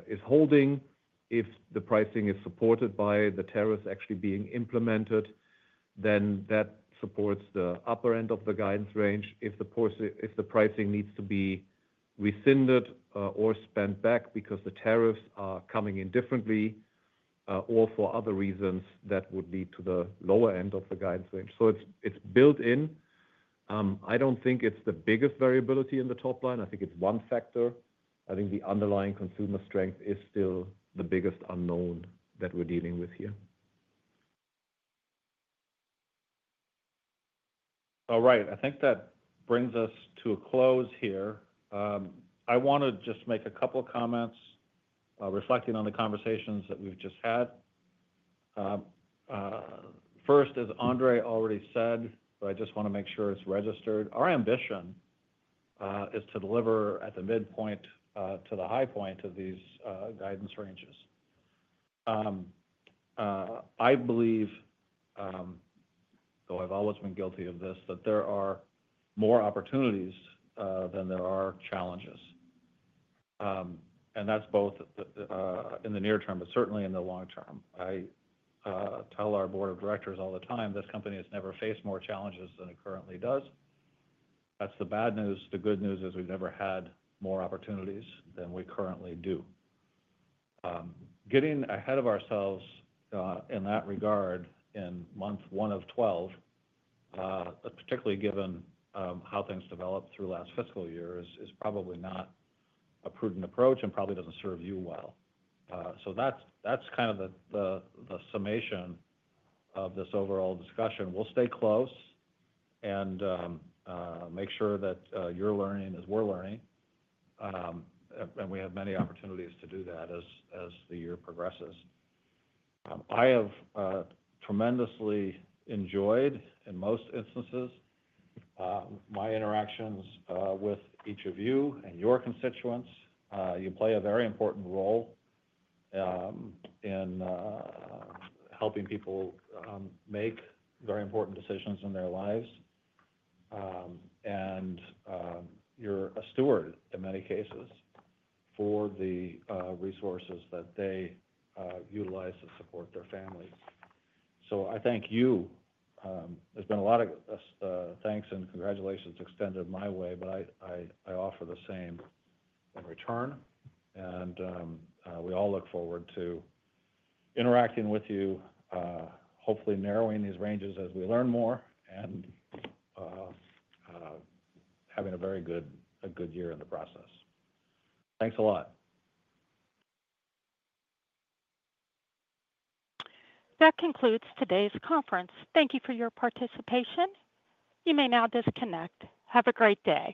is holding, if the pricing is supported by the tariffs actually being implemented, then that supports the upper end of the guidance range. If the pricing needs to be rescinded or spent back because the tariffs are coming in differently or for other reasons, that would lead to the lower end of the guidance range. So it's built in. I don't think it's the biggest variability in the top line. I think it's one factor. I think the underlying consumer strength is still the biggest unknown that we're dealing with here. All right. I think that brings us to a close here. I want to just make a couple of comments reflecting on the conversations that we've just had. First, as Andre already said, but I just want to make sure it's registered, our ambition is to deliver at the midpoint to the high point of these guidance ranges. I believe, though I've always been guilty of this, that there are more opportunities than there are challenges. And that's both in the near term but certainly in the long term. I tell our board of directors all the time, "This company has never faced more challenges than it currently does." That's the bad news. The good news is we've never had more opportunities than we currently do. Getting ahead of ourselves in that regard in month one of twelve, particularly given how things developed through last fiscal year, is probably not a prudent approach and probably doesn't serve you well. So that's kind of the summation of this overall discussion. We'll stay close and make sure that you're learning as we're learning. And we have many opportunities to do that as the year progresses. I have tremendously enjoyed, in most instances, my interactions with each of you and your constituents. You play a very important role in helping people make very important decisions in their lives. And you're a steward, in many cases, for the resources that they utilize to support their families. So I thank you. There's been a lot of thanks and congratulations extended my way, but I offer the same in return. And we all look forward to interacting with you, hopefully narrowing these ranges as we learn more and having a very good year in the process. Thanks a lot. That concludes today's conference. Thank you for your participation. You may now disconnect. Have a great day.